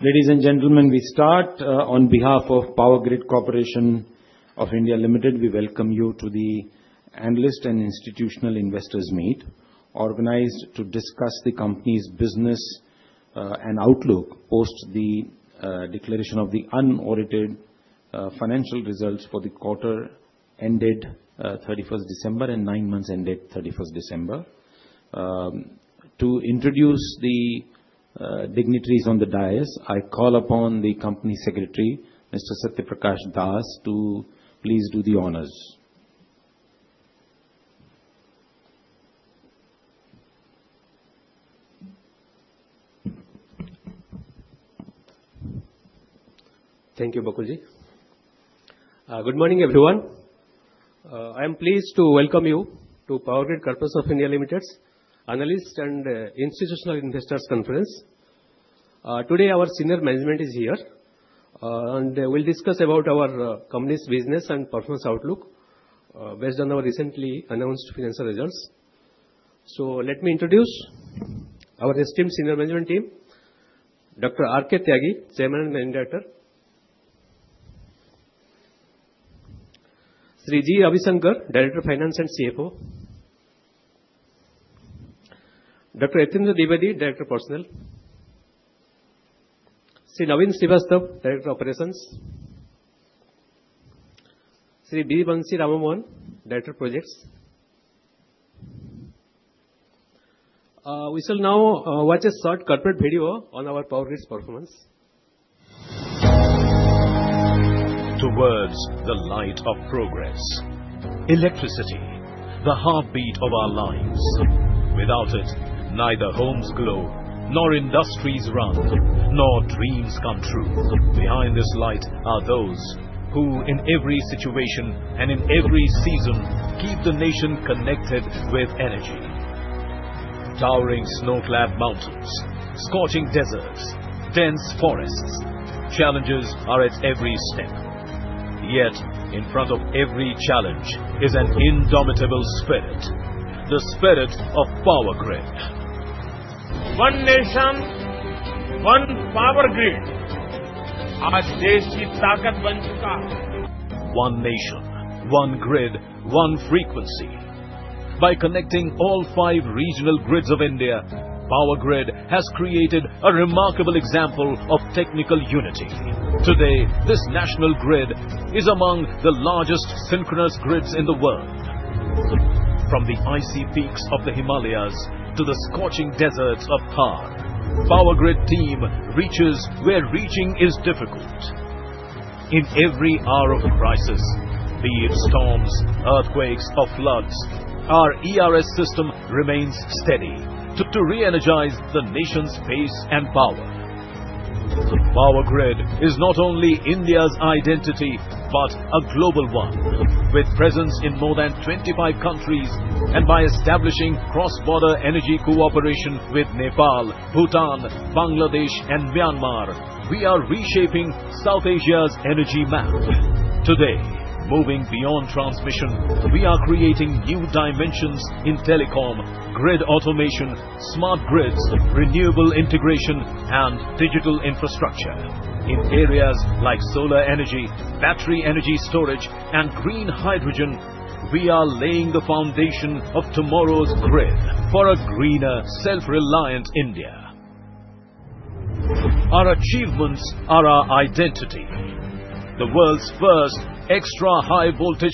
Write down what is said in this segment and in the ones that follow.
Ladies and gentlemen, we start on behalf of Power Grid Corporation of India Limited, we welcome you to the Analyst and Institutional Investors Meet, organized to discuss the company's business and outlook post the declaration of the unaudited financial results for the quarter ended 31st December and 9 months ended 31st December. To introduce the dignitaries on the dais, I call upon the Company Secretary, Mr. Satya Prakash Das, to please do the honors. Thank you, Bakulji. Good morning, everyone. I'm pleased to welcome you to Power Grid Corporation of India Limited's Analyst and Institutional Investors Conference. Today, our senior management is here, and they will discuss about our company's business and performance outlook, based on our recently announced financial results. Let me introduce our esteemed senior management team, Dr. R. K. Tyagi, Chairman and Director, Sri G. Ravisankar, Director of Finance and CFO, Dr. Yatindra Dwivedi, Director of Personnel, Sri Naveen Srivastava, Director of Operations, Sri B. Vamsi Rama Mohan, Director Projects. We shall now watch a short corporate video on our Power Grid's performance. Towards the light of progress. Electricity, the heartbeat of our lives. Without it, neither homes glow, nor industries run, nor dreams come true. Behind this light are those who, in every situation and in every season, keep the nation connected with energy. Towering snow-clad mountains, scorching deserts, dense forests, challenges are at every step. Yet, in front of every challenge is an indomitable spirit, the spirit of Power Grid. One nation, one power grid. One nation, one grid, one frequency. By connecting all five regional grids of India, Power Grid has created a remarkable example of technical unity. Today, this national grid is among the largest synchronous grids in the world. From the icy peaks of the Himalayas to the scorching deserts of Thar, Power Grid team reaches where reaching is difficult. In every hour of a crisis, be it storms, earthquakes or floods, our ERS system remains steady to re-energize the nation's pace and power. Power Grid is not only India's identity, but a global one. With presence in more than 25 countries and by establishing cross-border energy cooperation with Nepal, Bhutan, Bangladesh and Myanmar, we are reshaping South Asia's energy map. Today, moving beyond transmission, we are creating new dimensions in telecom, grid automation, smart grids, renewable integration and digital infrastructure. In areas like solar energy, battery energy storage, and green hydrogen, we are laying the foundation of tomorrow's grid for a greener, self-reliant India. Our achievements are our identity. The world's first extra high-voltage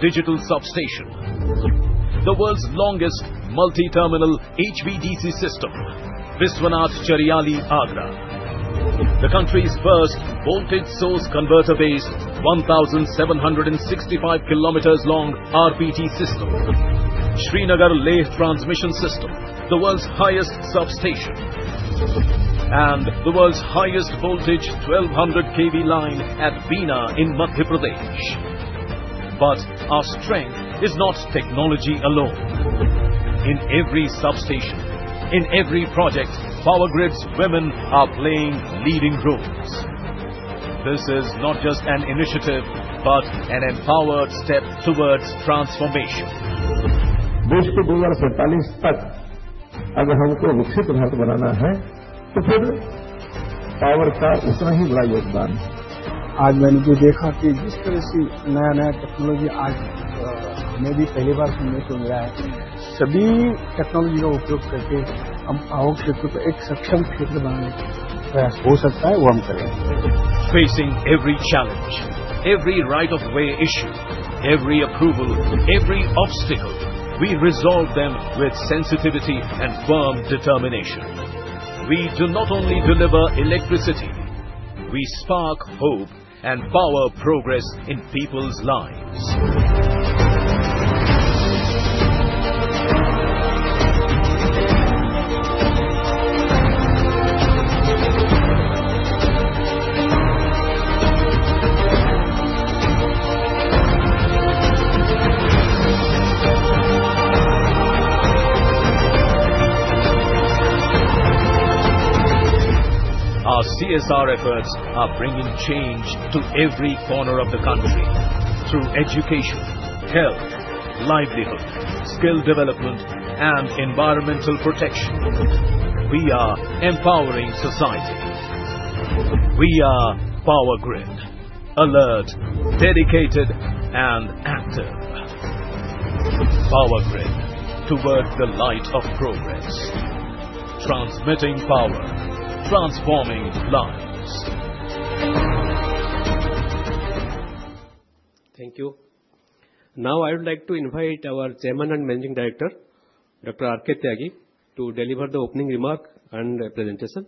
digital substation, Bhiwadi. The world's longest multi-terminal HVDC system, Biswanath Chariali-Agra. The country's first voltage source converter-based, 1,765 kilometers long RPT system. Srinagar-Leh transmission system, the world's highest substation, and the world's highest voltage, 1,200 kV line at Bina in Madhya Pradesh. But our strength is not technology alone. In every substation, in every project, Power Grid's women are playing leading roles. This is not just an initiative, but an empowered step towards transformation. Facing every challenge, every right of way issue, every approval, every obstacle, we resolve them with sensitivity and firm determination. We do not only deliver electricity, we spark hope and power progress in people's lives. Our CSR efforts are bringing change to every corner of the country through education, health, livelihood, skill development, and environmental protection. We are empowering society. We are Power Grid, alert, dedicated, and active. Power Grid, towards the light of progress. Transmitting power, transforming lives. Thank you. Now, I would like to invite our Chairman and Managing Director, Dr. R.K. Tyagi, to deliver the opening remark and presentation.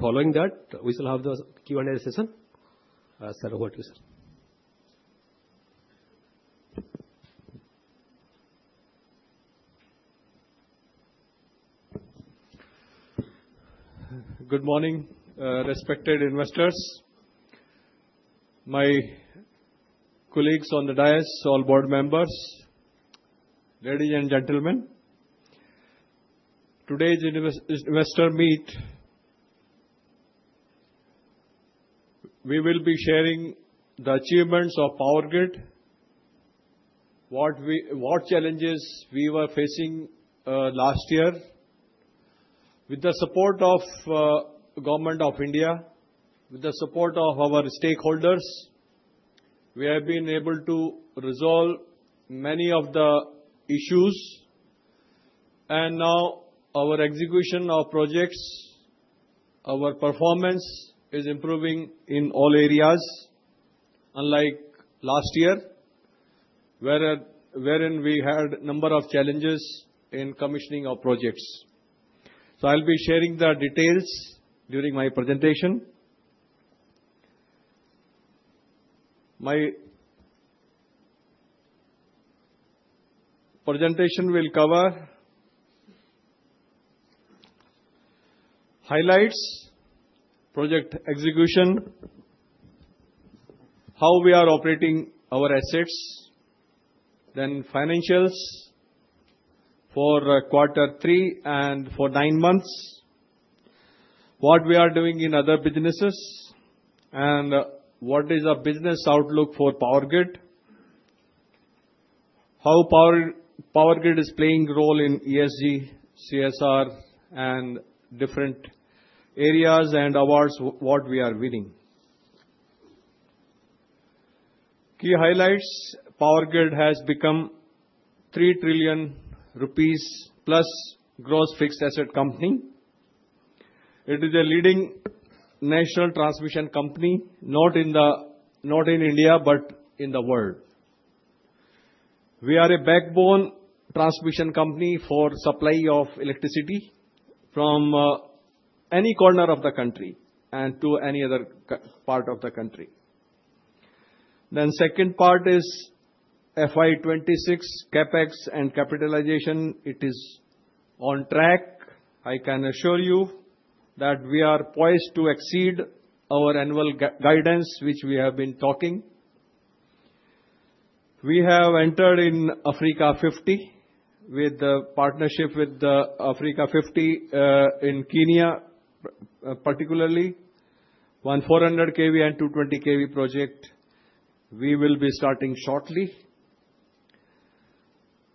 Following that, we shall have the Q&A session. Sir, over to you, sir. Good morning, respected investors, my colleagues on the dais, all board members, ladies and gentlemen. Today's investor meet, we will be sharing the achievements of Power Grid, what challenges we were facing last year. With the support of Government of India, with the support of our stakeholders, we have been able to resolve many of the issues, and now our execution of projects, our performance, is improving in all areas, unlike last year, wherein we had a number of challenges in commissioning our projects. So I'll be sharing the details during my presentation. My presentation will cover highlights, project execution, how we are operating our assets, then financials for quarter three and for nine months, what we are doing in other businesses, and what is our business outlook for Power Grid. How Power Grid is playing role in ESG, CSR and different areas, and awards, what we are winning. Key highlights, Power Grid has become 3 trillion rupees-plus gross fixed asset company. It is a leading national transmission company, not in the, not in India, but in the world. We are a backbone transmission company for supply of electricity from any corner of the country and to any other part of the country. Then second part is FY 2026 CapEx and capitalization. It is on track. I can assure you that we are poised to exceed our annual guidance, which we have been talking. We have entered in Africa50, with the partnership with the Africa50, in Kenya, particularly. One 400 kV and 220 kV project, we will be starting shortly.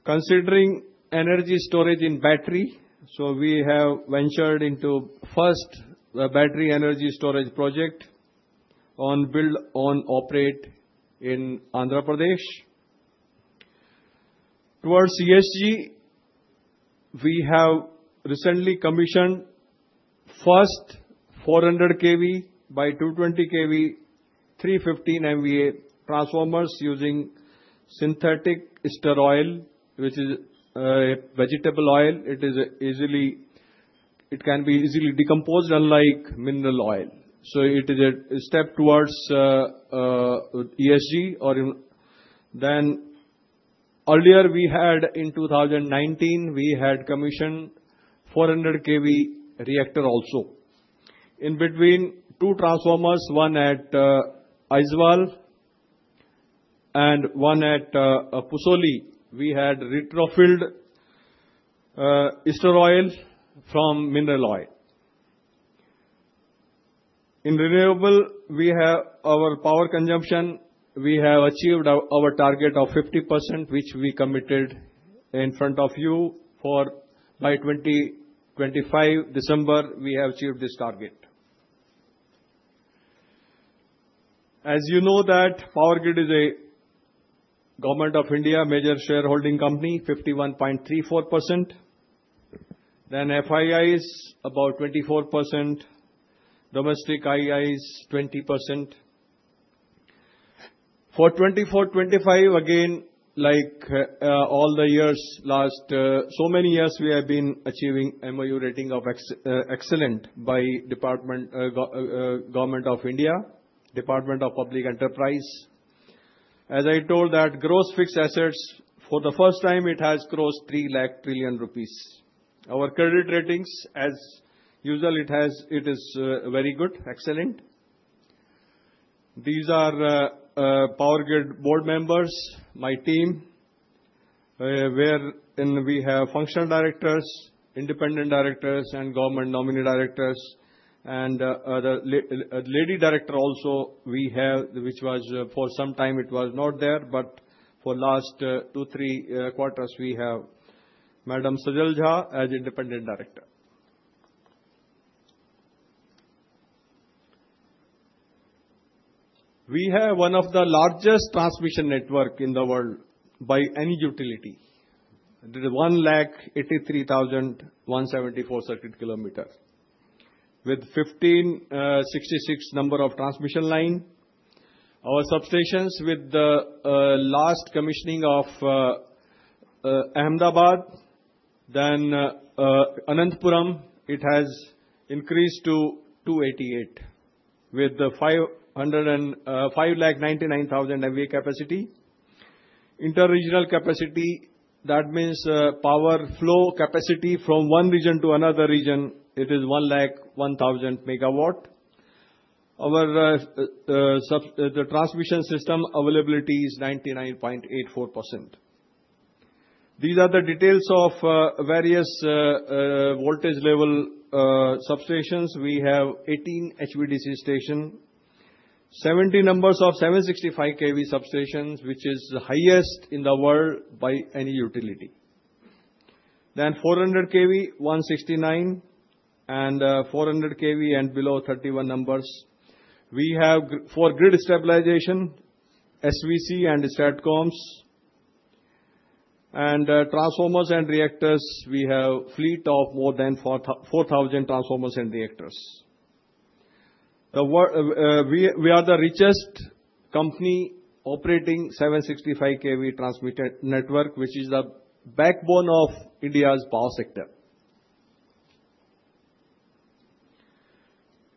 Considering energy storage in battery, so we have ventured into first, a battery energy storage project on build, own, operate in Andhra Pradesh. Towards ESG, we have recently commissioned first 400 kV by 220 kV, 315 MVA transformers using synthetic ester oil, which is, vegetable oil. It is easily... It can be easily decomposed, unlike mineral oil, so it is a, a step towards, ESG. Then earlier, we had in 2019, we had commissioned 400 kV reactor also. In between two transformers, one at Aizawl and one at Pusauli, we had retrofilled, ester oil from mineral oil. In renewable, we have our power consumption. We have achieved our, our target of 50%, which we committed in front of you for by 2025, December, we have achieved this target. As you know, that Power Grid is a government of India major shareholding company, 51.34%. Then FII is about 24%, DII is 20%. For 2024, 2025, again, like, all the years, last, so many years, we have been achieving MoU rating of excellent by department, Government of India, Department of Public Enterprise. As I told that gross fixed assets, for the first time, it has crossed 300,000 crore rupees. Our credit ratings, as usual, it has, it is very good. Excellent!... These are Power Grid board members, my team, where we have functional directors, independent directors, and government nominee directors, and other lady director also, we have, which was, for some time it was not there, but for last two, three quarters, we have Madam Sajal Jha as independent director. We have one of the largest transmission network in the world by any utility. It is 183,174 circuit kilometer, with 1,566 number of transmission line. Our substations with the last commissioning of Ahmedabad, then Anantapur, it has increased to 288, with the 599,000 MVA capacity. Inter-regional capacity, that means, power flow capacity from one region to another region, it is 101,000 megawatt. Our sub- the transmission system availability is 99.84%. These are the details of various voltage level substations. We have 18 HVDC stations, 70 numbers of 765 kV substations, which is the highest in the world by any utility. 400 kV, 169, and 400 kV and below, 31 numbers. We have for grid stabilization, SVC and STATCOMs. Transformers and reactors, we have fleet of more than 4,000 transformers and reactors. We are the richest company operating 765 kV transmitted network, which is the backbone of India's power sector.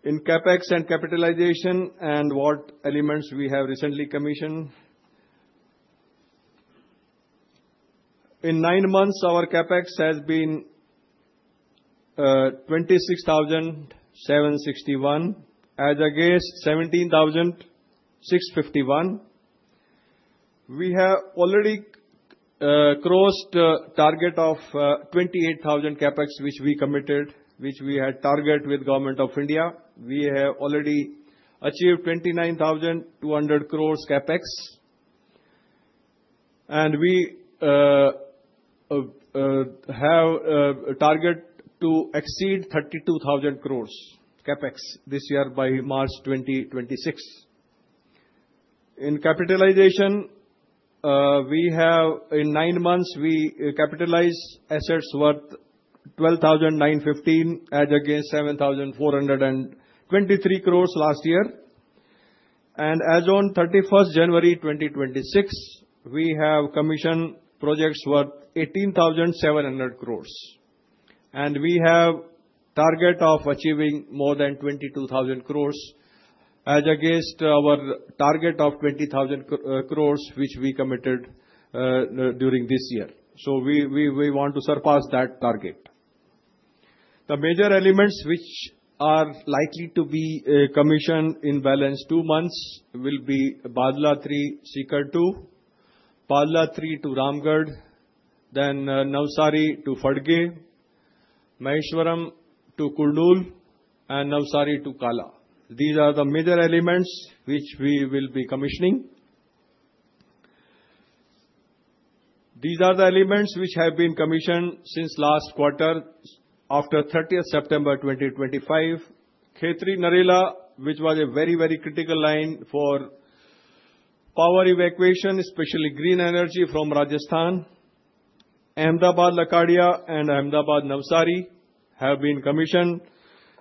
In CapEx and capitalization and what elements we have recently commissioned. In nine months, our CapEx has been 26,761 crore, as against 17,651 crore. We have already crossed target of 28,000 crore CapEx, which we committed, which we had target with Government of India. We have already achieved 29,200 crore CapEx, and we have a target to exceed 32,000 crore CapEx this year by March 2026. In capitalization, we have, in nine months, we capitalized assets worth 12,915 crore, as against 7,423 crore last year. As on thirty-first January 2026, we have commissioned projects worth 18,700 crore, and we have target of achieving more than 22,000 crore, as against our target of 20,000 crore, which we committed during this year. So we want to surpass that target. The major elements which are likely to be commissioned in balance 2 months will be Bhadla-3, Sikar-2, Fatehgarh-3 to Ramgarh, then Bhiwadi to Padgha, Maheshwaram to Kurnool, and Bhiwadi to Kala Amb. These are the major elements which we will be commissioning. These are the elements which have been commissioned since last quarter, after thirtieth September 2025. Khetri-Narela, which was a very, very critical line for power evacuation, especially green energy from Rajasthan, Ahmedabad-Lakadia and Ahmedabad-Bhiwadi have been commissioned.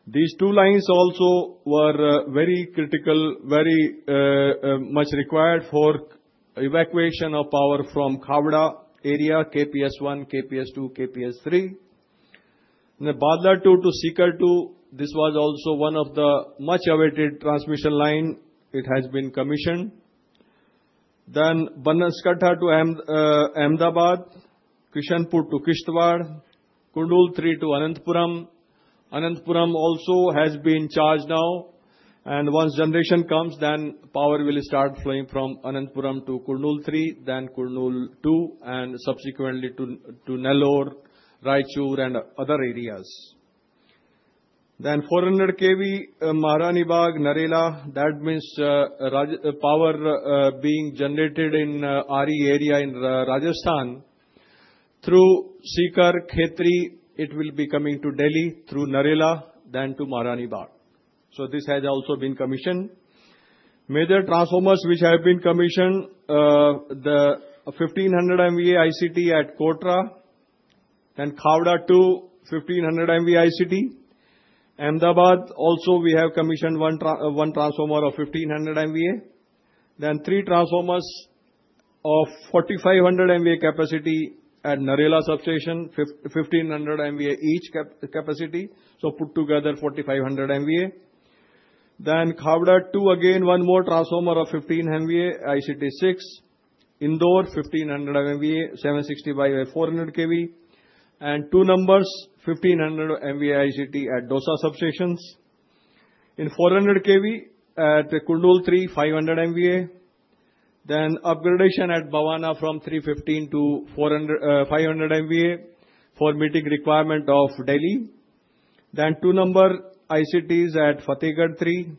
These two lines also were very critical, very much required for evacuation of power from Khavda area, KPS-1, KPS-2, KPS-3. The Bhadla-2 to Sikar-2, this was also one of the much-awaited transmission line. It has been commissioned. Then Banaskantha to Ahmedabad, Krishanpur to Kishtwar, Kurnool-3 to Anantapur. Anantapur also has been charged now, and once generation comes, then power will start flowing from Anantapur to Kurnool-3, then Kurnool-2, and subsequently to Nellore, Raichur, and other areas. Then 400 kV Maharani Bagh-Narela, that means Rajasthan power being generated in RE area in Rajasthan. Through Sikar-Khetri, it will be coming to Delhi through Narela, then to Maharani Bagh. So this has also been commissioned. Major transformers which have been commissioned, the 1,500 MVA ICT at Kotra, then Khavda-2, 1,500 MVA ICT. Ahmedabad, also we have commissioned one transformer of 1,500 MVA. Then three transformers of 4,500 MVA capacity at Narela substation, 1,500 MVA each capacity, so put together 4,500 MVA. Then Khavda-2, again, one more transformer of 15 MVA, ICT-6. Indore 1,500 MVA, 765 by 400 kV, and two 1,500 MVA ICT at Dausa substations. In 400 kV, at Kurnool 350 MVA, then upgradation at Bhiwadi from 315 to 400, 500 MVA for meeting requirement of Delhi. Then two ICTs at Fatehabad 300,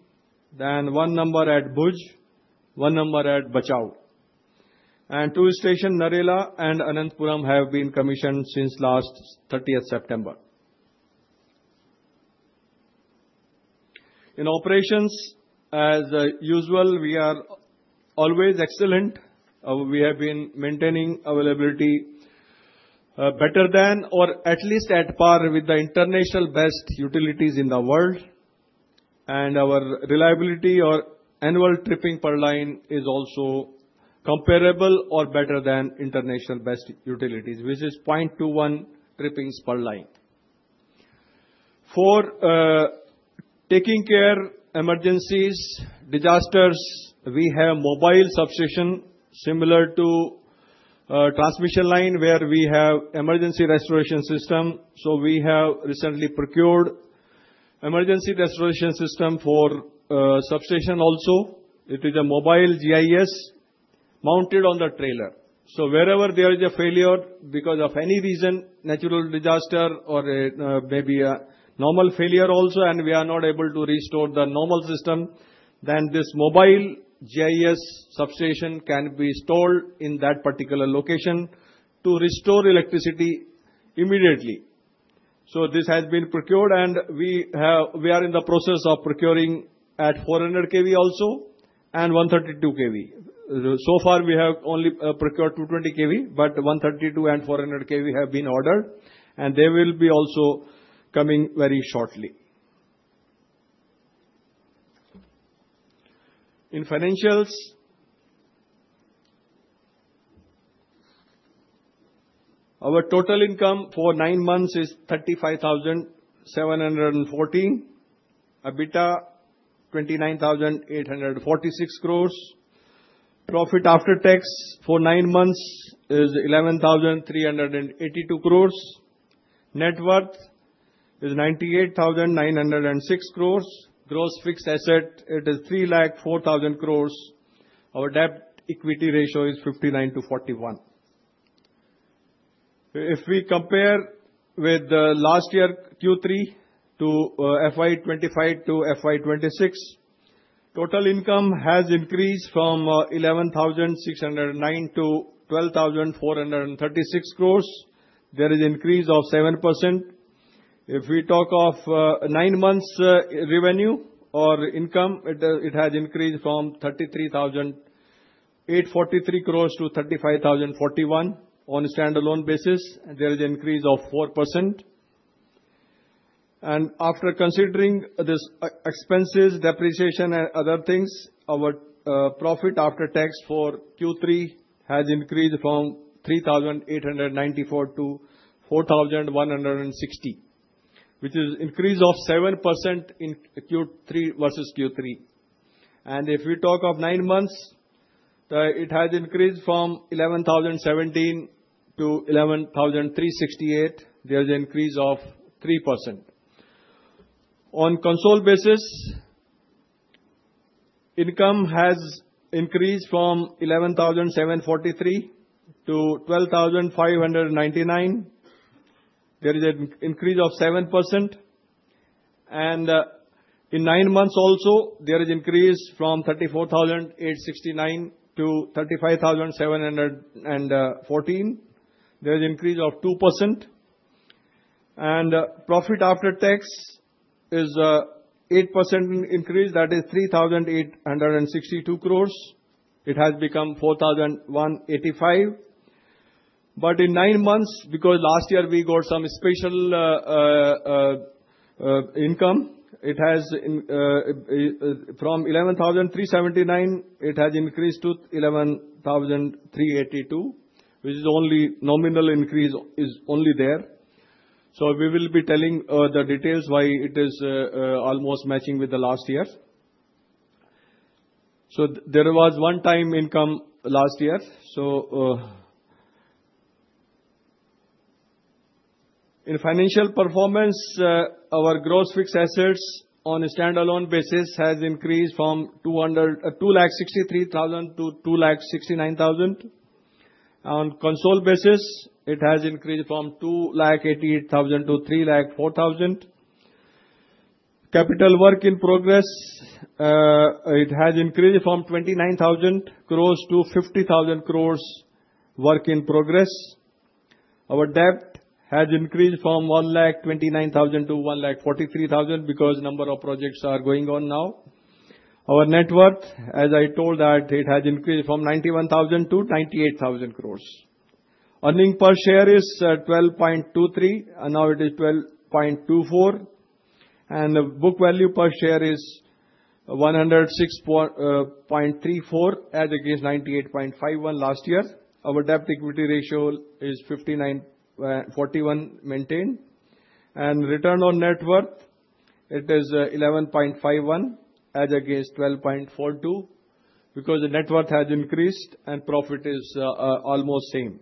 then one at Bhuj, one at Bhachau. And two stations, Narela and Anantapur, have been commissioned since last 30th September. In operations, as usual, we are always excellent. We have been maintaining availability better than, or at least at par with the international best utilities in the world. And our reliability or annual tripping per line is also comparable or better than international best utilities, which is 0.21 trippings per line. For taking care emergencies, disasters, we have mobile substation, similar to transmission line, where we have emergency restoration system. So we have recently procured emergency restoration system for substation also. It is a mobile GIS mounted on the trailer. So wherever there is a failure because of any reason, natural disaster or maybe a normal failure also, and we are not able to restore the normal system, then this mobile GIS substation can be installed in that particular location to restore electricity immediately. So this has been procured, and we are in the process of procuring at 400 kV also, and 132 kV. So far, we have only procured 220 kV, but 132 and 400 kV have been ordered, and they will be also coming very shortly. In financials, our total income for nine months is 35,714 crore. EBITDA, 29,846 crore. Profit after tax for nine months is 11,382 crore. Net worth is 98,906 crore. Gross fixed asset, it is 3,04,000 crore. Our debt-equity ratio is 59 to 41. If we compare with last year, Q3 to FY 2025 to FY 2026, total income has increased from eleven thousand six hundred and nine to twelve thousand four hundred and thirty-six crores. There is increase of 7%. If we talk of nine months, revenue or income, it, it has increased from thirty-three thousand eight forty-three crores to thirty-five thousand forty-one. On a standalone basis, there is increase of 4%. After considering these expenses, depreciation, and other things, our profit after tax for Q3 has increased from 3,894 crore to 4,160 crore, which is an increase of 7% in Q3 versus Q3. If we talk of nine months, it has increased from 11,017 crore to 11,368 crore. There is an increase of 3%. On consolidated basis, income has increased from 11,743 crore to 12,599 crore. There is an increase of 7%. In nine months also, there is an increase from 34,869 crore to 35,714 crore. There is an increase of 2%. And profit after tax is an 8% increase, that is 3,862 crores. It has become 4,185 crore. In nine months, because last year we got some special income, it has, from 11,379, it has increased to 11,382, which is only nominal increase is only there. We will be telling the details why it is almost matching with the last year. There was one-time income last year. In financial performance, our gross fixed assets on a standalone basis has increased from 263,000 crore to 269,000 crore. On console basis, it has increased from 288,000 crore to 304,000 crore. Capital work in progress, it has increased from 29,000 crore to 50,000 crore work in progress. Our debt has increased from 1,29,000 crore to 1,43,000 crore, because number of projects are going on now. Our net worth, as I told that, it has increased from 91,000 crore to 98,000 crore. Earnings per share is 12.23, and now it is 12.24. The book value per share is 106.34, as against 98.51 last year. Our debt to equity ratio is 59-41 maintained. Return on net worth. It is 11.51 as against 12.42, because the net worth has increased and profit is almost same.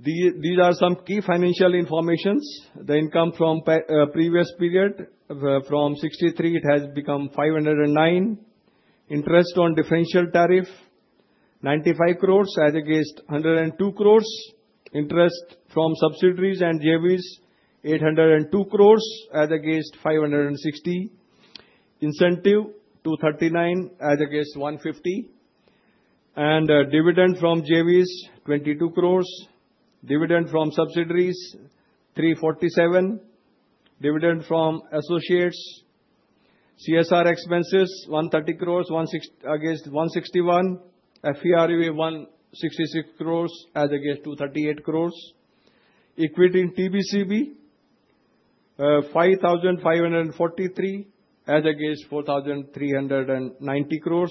These are some key financial information. The income from previous period, from 63, it has become 509. Interest on differential tariff, 95 crore as against 102 crore. Interest from subsidiaries and JVs, 802 crore as against 560 crore. Incentive, 239 crore as against 150 crore. And dividend from JVs, 22 crore. Dividend from subsidiaries, 347 crore. Dividend from associates-CSR expenses, 130 crore against 161 crore. FERV, 166 crore as against 238 crore. Equity in TBCB, 5,543 crore as against 4,390 crore.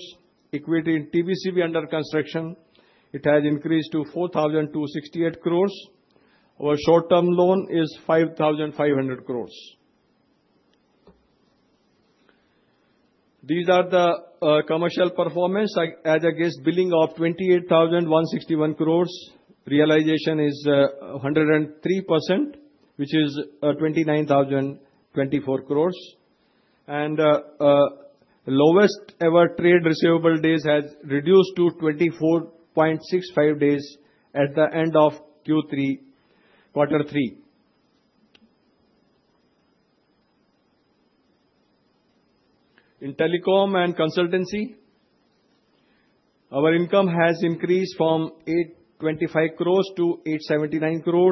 Equity in TBCB under construction, it has increased to 4,268 crore. Our short-term loan is INR 5,500 crore. These are the commercial performance, like, as against billing of 28,161 crore. Realization is a 103%, which is 29,024 crore. Lowest ever trade receivable days has reduced to 24.65 days at the end of Q3, quarter three. In telecom and consultancy, our income has increased from 825 crore to 879 crore.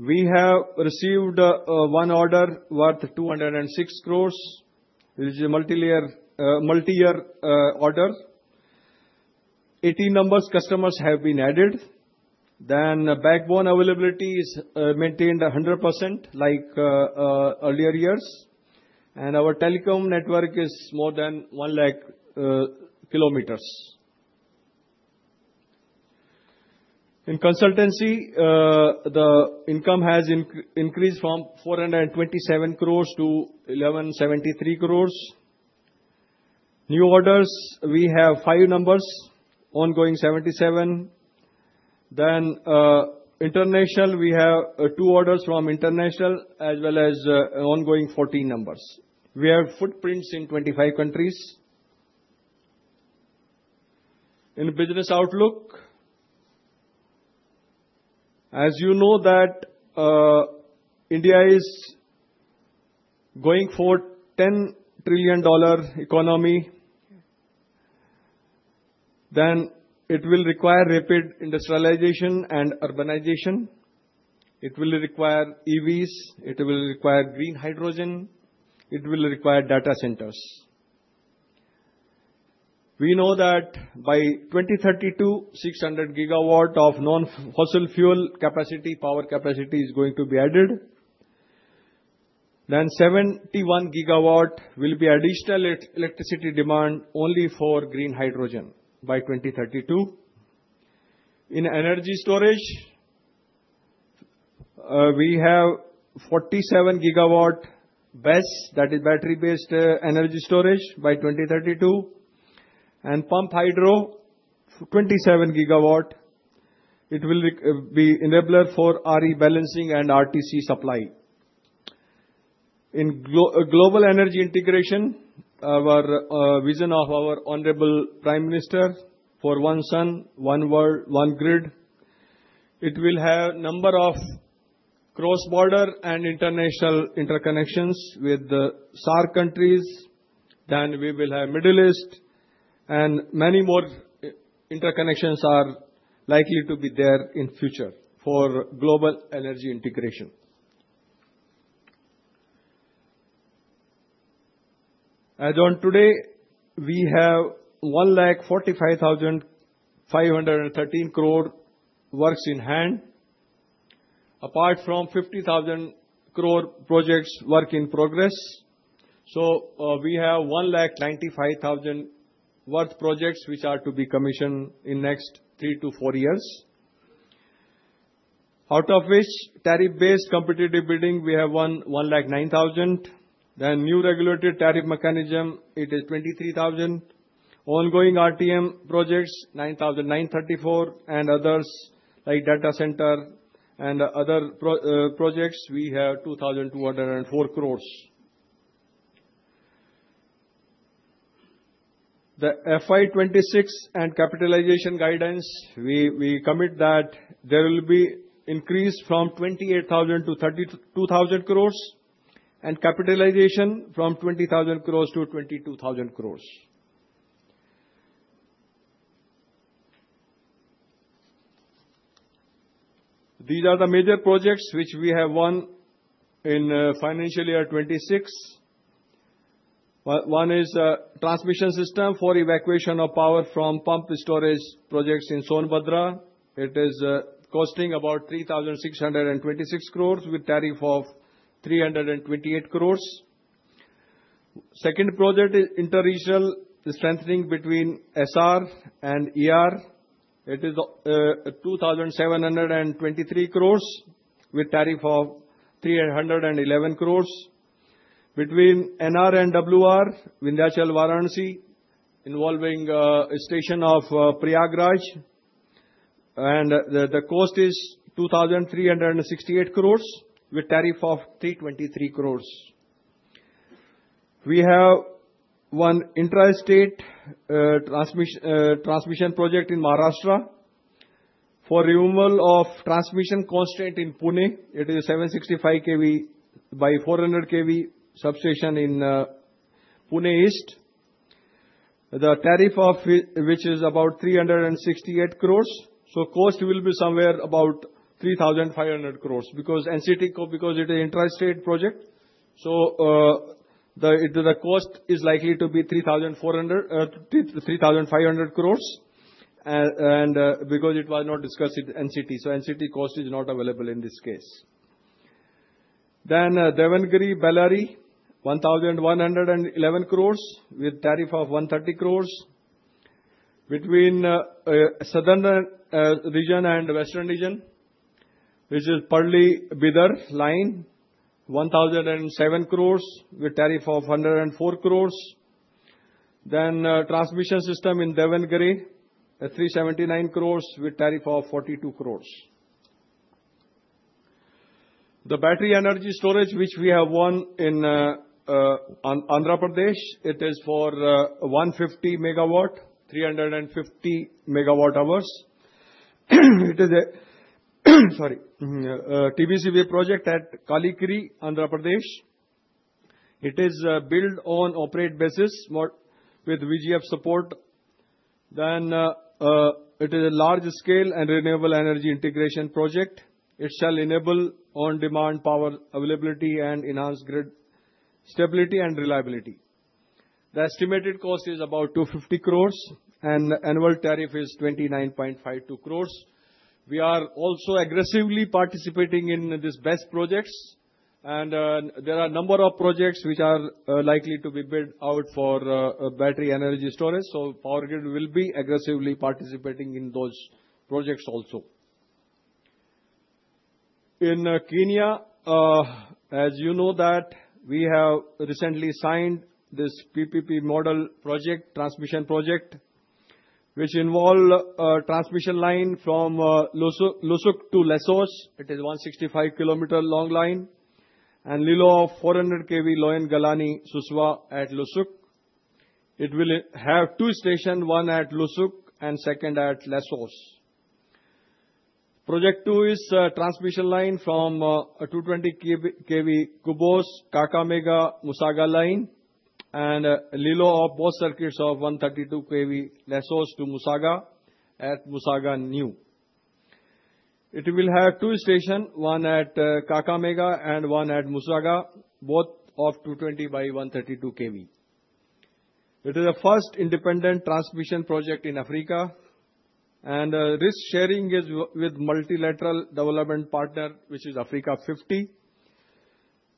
We have received one order worth 206 crore, which is a multilayer... multiyear order. 80 numbers customers have been added. Backbone availability is maintained 100%, like earlier years, and our telecom network is more than 100,000 kilometers. In consultancy, the income has increased from 427 crore to 1,173 crore. New orders, we have 5 numbers, ongoing 77. International, we have two orders from international as well as ongoing 14 numbers. We have footprints in 25 countries. In business outlook, as you know, that India is going for $10 trillion economy, then it will require rapid industrialization and urbanization. It will require EVs, it will require green hydrogen, it will require data centers. We know that by 2032, 600 GW of non-fossil fuel capacity, power capacity, is going to be added. Then 71 GW will be additional electricity demand only for green hydrogen by 2032. In energy storage, we have 47 GW BESS, that is battery-based energy storage by 2032, and pump hydro, 27 GW. It will be enabler for RE balancing and RTC supply. In global energy integration, our vision of our Honorable Prime Minister for one sun, one world, one grid, it will have a number of cross-border and international interconnections with the SAARC countries, then we will have Middle East, and many more interconnections are likely to be there in future for global energy integration. As on today, we have 1,45,513 crore works in hand, apart from 50,000 crore projects work in progress. So, we have 1,95,000 crore worth projects, which are to be commissioned in next three to four years. Out of which, tariff-based competitive bidding, we have won 1,09,000 crore. Then new regulated tariff mechanism, it is 23,000 crore. Ongoing RTM projects, 9,934 crore. And others, like data center and other pro... Projects, we have 2,204 crores. The FY 2026 and capitalization guidance, we commit that there will be increase from 28,000-32,000 crores, and capitalization from 20,000-22,000 crores. These are the major projects which we have won in financial year 2026. One is transmission system for evacuation of power from pump storage projects in Sonbhadra. It is costing about 3,626 crores, with tariff of 328 crores. Second project is inter-regional strengthening between SR and ER. It is 2,723 crores, with tariff of 311 crores. Between NR and WR, Vindhyachal Varanasi, involving a station of Prayagraj, and the cost is 2,368 crores, with tariff of 323 crores. We have one intrastate transmission project in Maharashtra. For removal of transmission constraint in Pune, it is 765 kV by 400 kV substation in Pune East. The tariff of which, which is about 368 crore, so cost will be somewhere about 3,500 crore, because NCT, because it is intrastate project, so the cost is likely to be 3,400 three thousand five hundred crore, and because it was not discussed with NCT, so NCT cost is not available in this case. Then, Davangere-Bellary, 1,111 crore, with tariff of 130 crore. Between Southern region and Western region, which is Parli-Bidar line, 1,007 crore, with tariff of 104 crore. Then, transmission system in Davangere, at 379 crore, with tariff of 42 crore. The battery energy storage, which we have won in, on Andhra Pradesh, it is for, 150 megawatt, 350 megawatt hours. It is a, sorry, TPCV project at Kalikiri, Andhra Pradesh. It is, build on operate basis, more with VGF support. Then, it is a large scale and renewable energy integration project. It shall enable on-demand power availability and enhance grid stability and reliability. The estimated cost is about 250 crore, and annual tariff is 29.52 crore. We are also aggressively participating in this BESS projects, and, there are a number of projects which are, likely to be built out for, battery energy storage, so Power Grid will be aggressively participating in those projects also. In Kenya, as you know that we have recently signed this PPP model project, transmission project, which involve transmission line from Loosuk to Lessos. It is 165 km long line, and LILO of 400 kV Loiyangalani-Suswa at Loosuk. It will have two station, one at Loosuk and second at Lessos. Project two is transmission line from 220 kV Kibos-Kakamega-Musaga line, and LILO of both circuits of 132 kV Lessos to Musaga, at Musaga New. It will have two station, one at Kakamega and one at Musaga, both of 220/132 kV. It is the first independent transmission project in Africa, and risk sharing is with multilateral development partner, which is Africa50.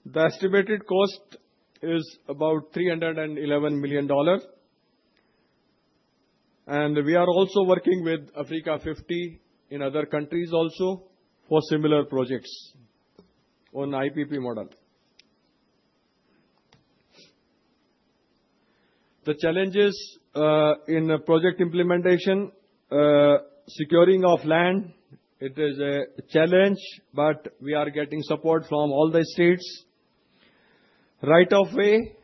The estimated cost is about $311 million, and we are also working with Africa50 in other countries also for similar projects on IPP model. The challenges in project implementation, securing of land, it is a challenge, but we are getting support from all the states. Right of Way,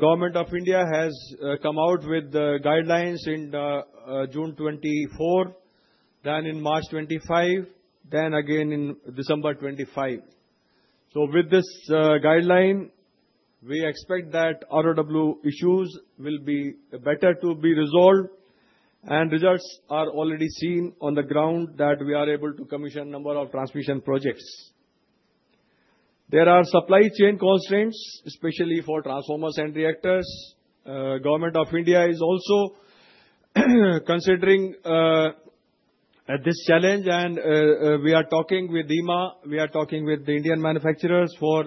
Government of India has come out with the guidelines in the June 2024, then in March 2025, then again in December 2025. So with this guideline, we expect that ROW issues will be better to be resolved, and results are already seen on the ground, that we are able to commission a number of transmission projects. There are supply chain constraints, especially for transformers and reactors. Government of India is also considering this challenge, and we are talking with IEEMA. We are talking with the Indian manufacturers for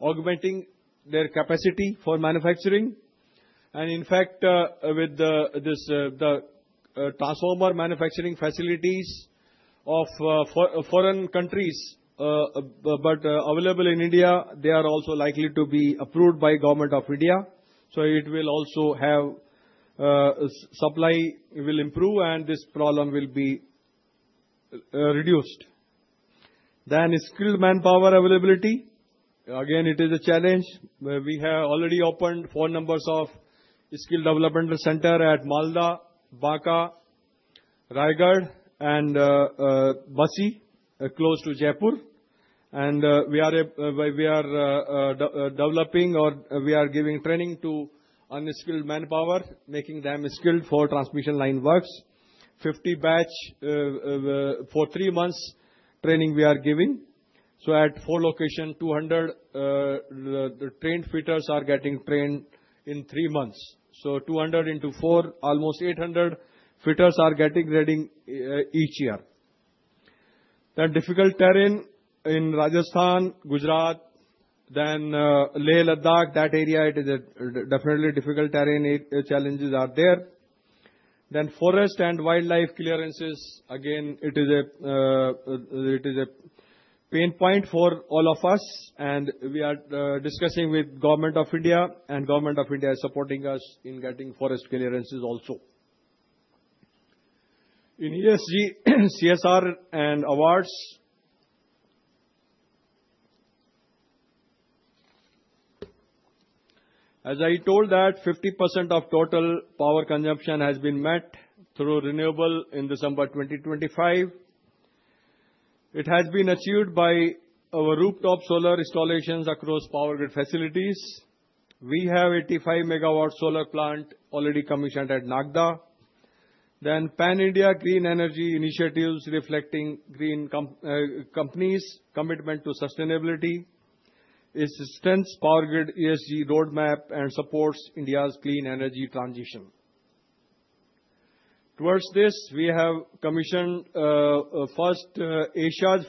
augmenting their capacity for manufacturing. And in fact, with the transformer manufacturing facilities of foreign countries, but available in India, they are also likely to be approved by Government of India. So it will also have supply will improve, and this problem will be reduced. Then skilled manpower availability. Again, it is a challenge, where we have already opened four numbers of skill development centers at Malda, Banka, Raigarh, and Bassi, close to Jaipur. And we are developing or we are giving training to unskilled manpower, making them skilled for transmission line works. 50 batch for three months training we are giving. So at 4 locations, 200 trained fitters are getting trained in three months. So 200 into 4, almost 800 fitters are getting training each year. That difficult terrain in Rajasthan, Gujarat, then Leh-Ladakh, that area, it is definitely difficult terrain, challenges are there. Then forest and wildlife clearances, again, it is a pain point for all of us, and we are discussing with Government of India, and Government of India is supporting us in getting forest clearances also. In ESG, CSR and awards. As I told that 50% of total power consumption has been met through renewable in December 2025. It has been achieved by our rooftop solar installations across Power Grid facilities. We have 85 MW solar plant already commissioned at Nagda. Pan-India green energy initiatives reflecting green commitment company's commitment to sustainability is a strength Power Grid ESG roadmap and supports India's clean energy transition. Towards this, we have commissioned Asia's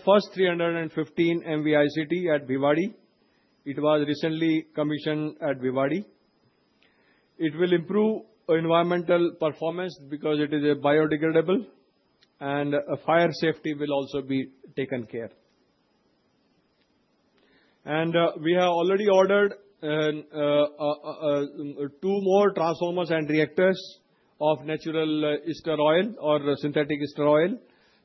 first 315 MVA ICT at Bhiwadi. It was recently commissioned at Bhiwadi. It will improve environmental performance because it is biodegradable, and fire safety will also be taken care. We have already ordered two more transformers and reactors of natural ester oil or synthetic ester oil,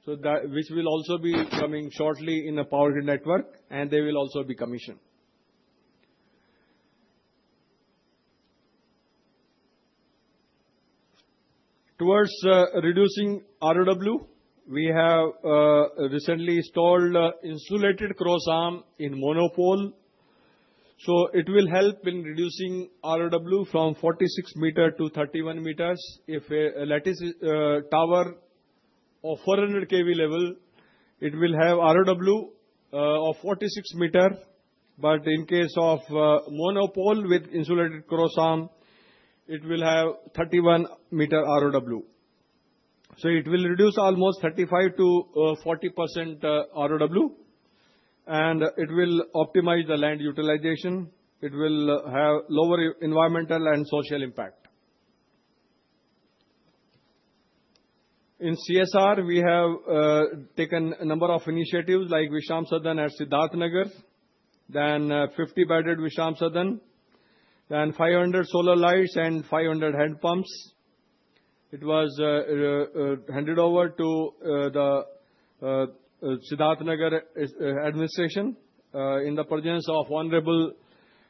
so that which will also be coming shortly in the Power Grid network, and they will also be commissioned. Towards reducing ROW, we have recently installed insulated cross arm in monopole, so it will help in reducing ROW from 46 meters to 31 meters. If a lattice tower of 400 kV level, it will have ROW of 46 meters, but in case of monopole with insulated cross arm, it will have 31 meter ROW. So it will reduce almost 35%-40% ROW, and it will optimize the land utilization. It will have lower environmental and social impact. In CSR, we have taken a number of initiatives like Vishram Sadan at Siddharth Nagar, then 50 bedded Vishram Sadan, then 500 solar lights and 500 hand pumps. It was handed over to the Siddharth Nagar administration in the presence of Honorable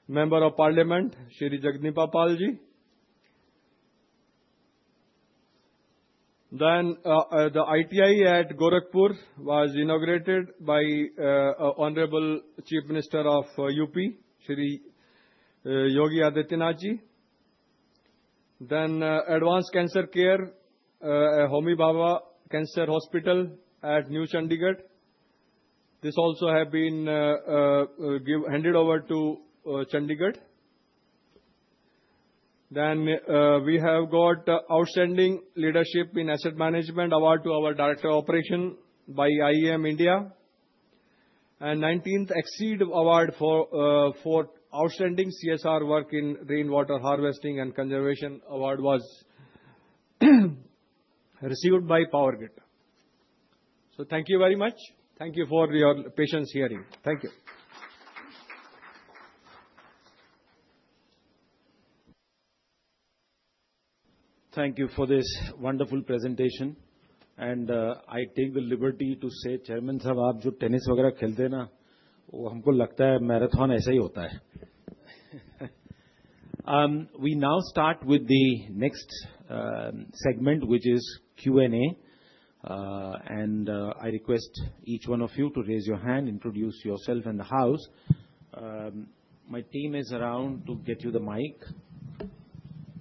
Member of Parliament, Shri Jagdambika Pal Ji. Then the ITI at Gorakhpur was inaugurated by Honorable Chief Minister of UP, Shri Yogi Adityanath Ji. Then, advanced cancer care at Homi Bhabha Cancer Hospital at New Chandigarh. This also have been handed over to Chandigarh. Then, we have got Outstanding Leadership in Asset Management Award to our Director of Operations by Institution of Engineers (India). And nineteenth Exceed Award for outstanding CSR work in rainwater harvesting and conservation award was received by Power Grid. So thank you very much. Thank you for your patient hearing. Thank you. Thank you for this wonderful presentation, and I take the liberty to say, Chairman, we now start with the next segment, which is Q&A. And I request each one of you to raise your hand, introduce yourself and the house. My team is around to get you the mic.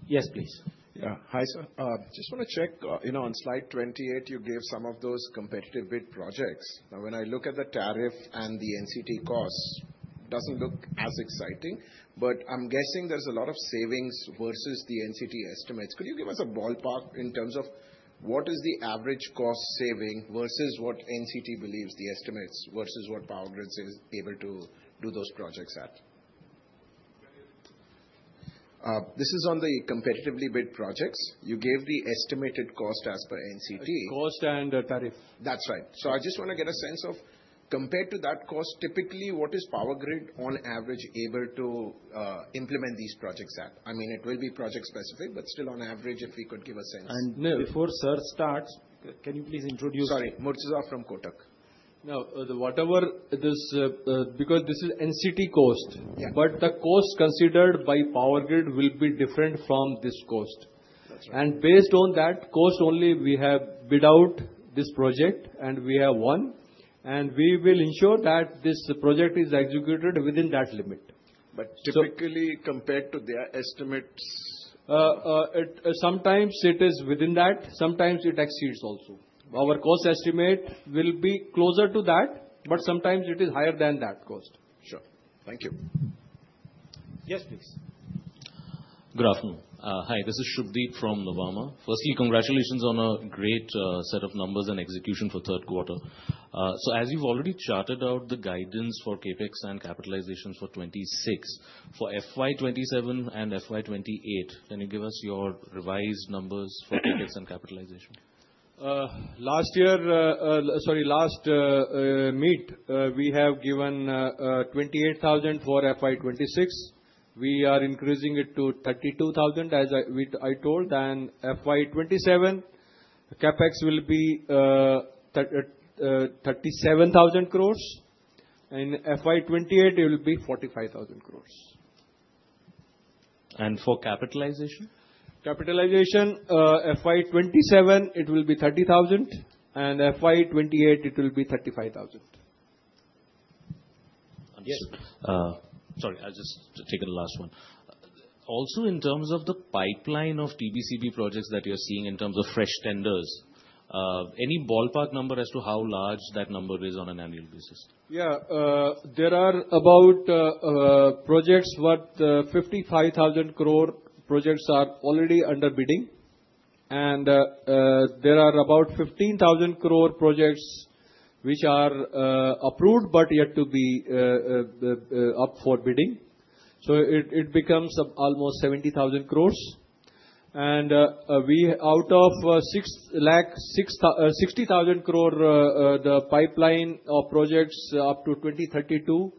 Yes, please. Yeah. Hi, sir. Just want to check, you know, on slide 28, you gave some of those competitive bid projects. Now, when I look at the tariff and the NCT costs, doesn't look as exciting, but I'm guessing there's a lot of savings versus the NCT estimates. Could you give us a ballpark in terms of what is the average cost saving versus what NCT believes the estimates, versus what Power Grid is able to do those projects at? This is on the competitively bid projects. You gave the estimated cost as per NCT. Cost and tariff. That's right. So I just want to get a sense of, compared to that cost, typically, what is Power Grid on average, able to implement these projects at? I mean, it will be project specific, but still on average, if we could give a sense. Before sir starts, can you please introduce? Sorry, Murtuza from Kotak. Now, the whatever this, because this is NCT cost- Yeah. but the cost considered by Power Grid will be different from this cost. That's right. Based on that cost only, we have bid out this project, and we have won, and we will ensure that this project is executed within that limit. So- But typically, compared to their estimates? Sometimes it is within that. Sometimes it exceeds also. Okay. Our cost estimate will be closer to that, but sometimes it is higher than that cost. Sure. Thank you. Yes, please. ... Good afternoon. Hi, this is Shubdeep from Nuvama. Firstly, congratulations on a great set of numbers and execution for third quarter. So as you've already charted out the guidance for CapEx and capitalizations for 2026, for FY 2027 and FY 2028, can you give us your revised numbers for CapEx and capitalization? Last year, in the last meet, we have given 28,000 crore for FY 2026. We are increasing it to 32,000 crore, as I told. FY 2027, CapEx will be 37,000 crore, and FY 2028, it will be 45,000 crore. For capitalization? Capitalization, FY 2027, it will be 30,000, and FY 2028 it will be 35,000. Understood. Yes. Sorry, I'll just take in the last one. Also, in terms of the pipeline of TBCB projects that you're seeing in terms of fresh tenders, any ballpark number as to how large that number is on an annual basis? Yeah, there are about projects worth 55,000 crore projects are already under bidding. And there are about 15,000 crore projects which are approved, but yet to be up for bidding. So it becomes of almost 70,000 crore. And we out of 6,60,000 crore, the pipeline of projects up to 2032.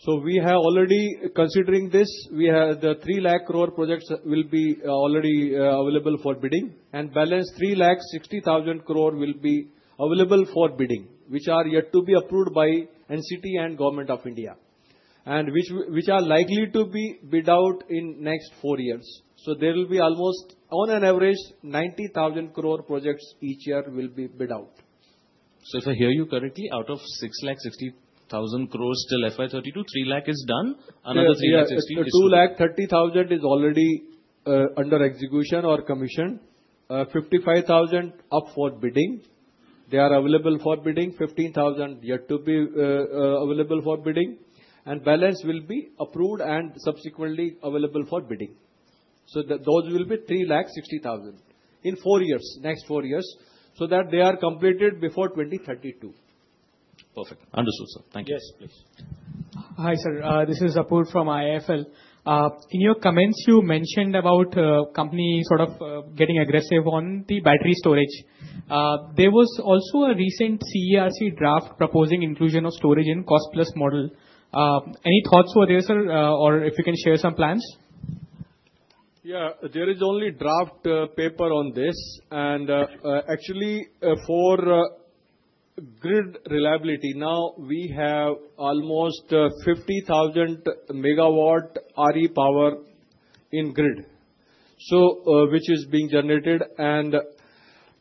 So we have already considering this, we have the 3,00,000 crore projects will be already available for bidding, and balance 3,60,000 crore will be available for bidding, which are yet to be approved by NCT and Government of India, and which are likely to be bid out in next four years. So there will be almost, on an average, 90,000 crore projects each year will be bid out. So if I hear you correctly, out of 660,000 crore till FY 2032, 300,000 crore is done, another 360,000- Yes. Yes. 230,000 is already under execution or commission. 55,000 up for bidding. They are available for bidding. 15,000 yet to be available for bidding. Balance will be approved and subsequently available for bidding. So those will be 360,000 in 4 years, next 4 years, so that they are completed before 2032. Perfect. Understood, sir. Thank you. Yes, please. Hi, sir. This is Apoorva from IIFL. In your comments, you mentioned about company sort of getting aggressive on the battery storage. There was also a recent CERC draft proposing inclusion of storage in cost plus model. Any thoughts for this, sir, or if you can share some plans? Yeah. There is only draft paper on this, and actually, for grid reliability, now we have almost 50,000 MW RE power in grid, so which is being generated. And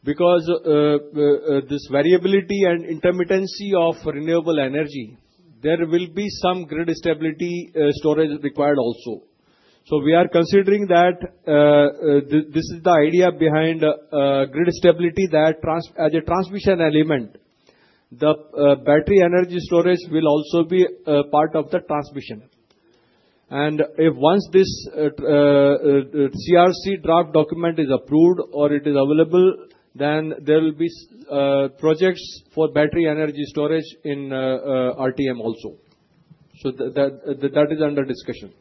because this variability and intermittency of renewable energy, there will be some grid stability storage required also. So we are considering that this is the idea behind grid stability, that as a transmission element, the battery energy storage will also be part of the transmission. And if once this CERC draft document is approved or it is available, then there will be projects for battery energy storage in RTM also. So that is under discussion.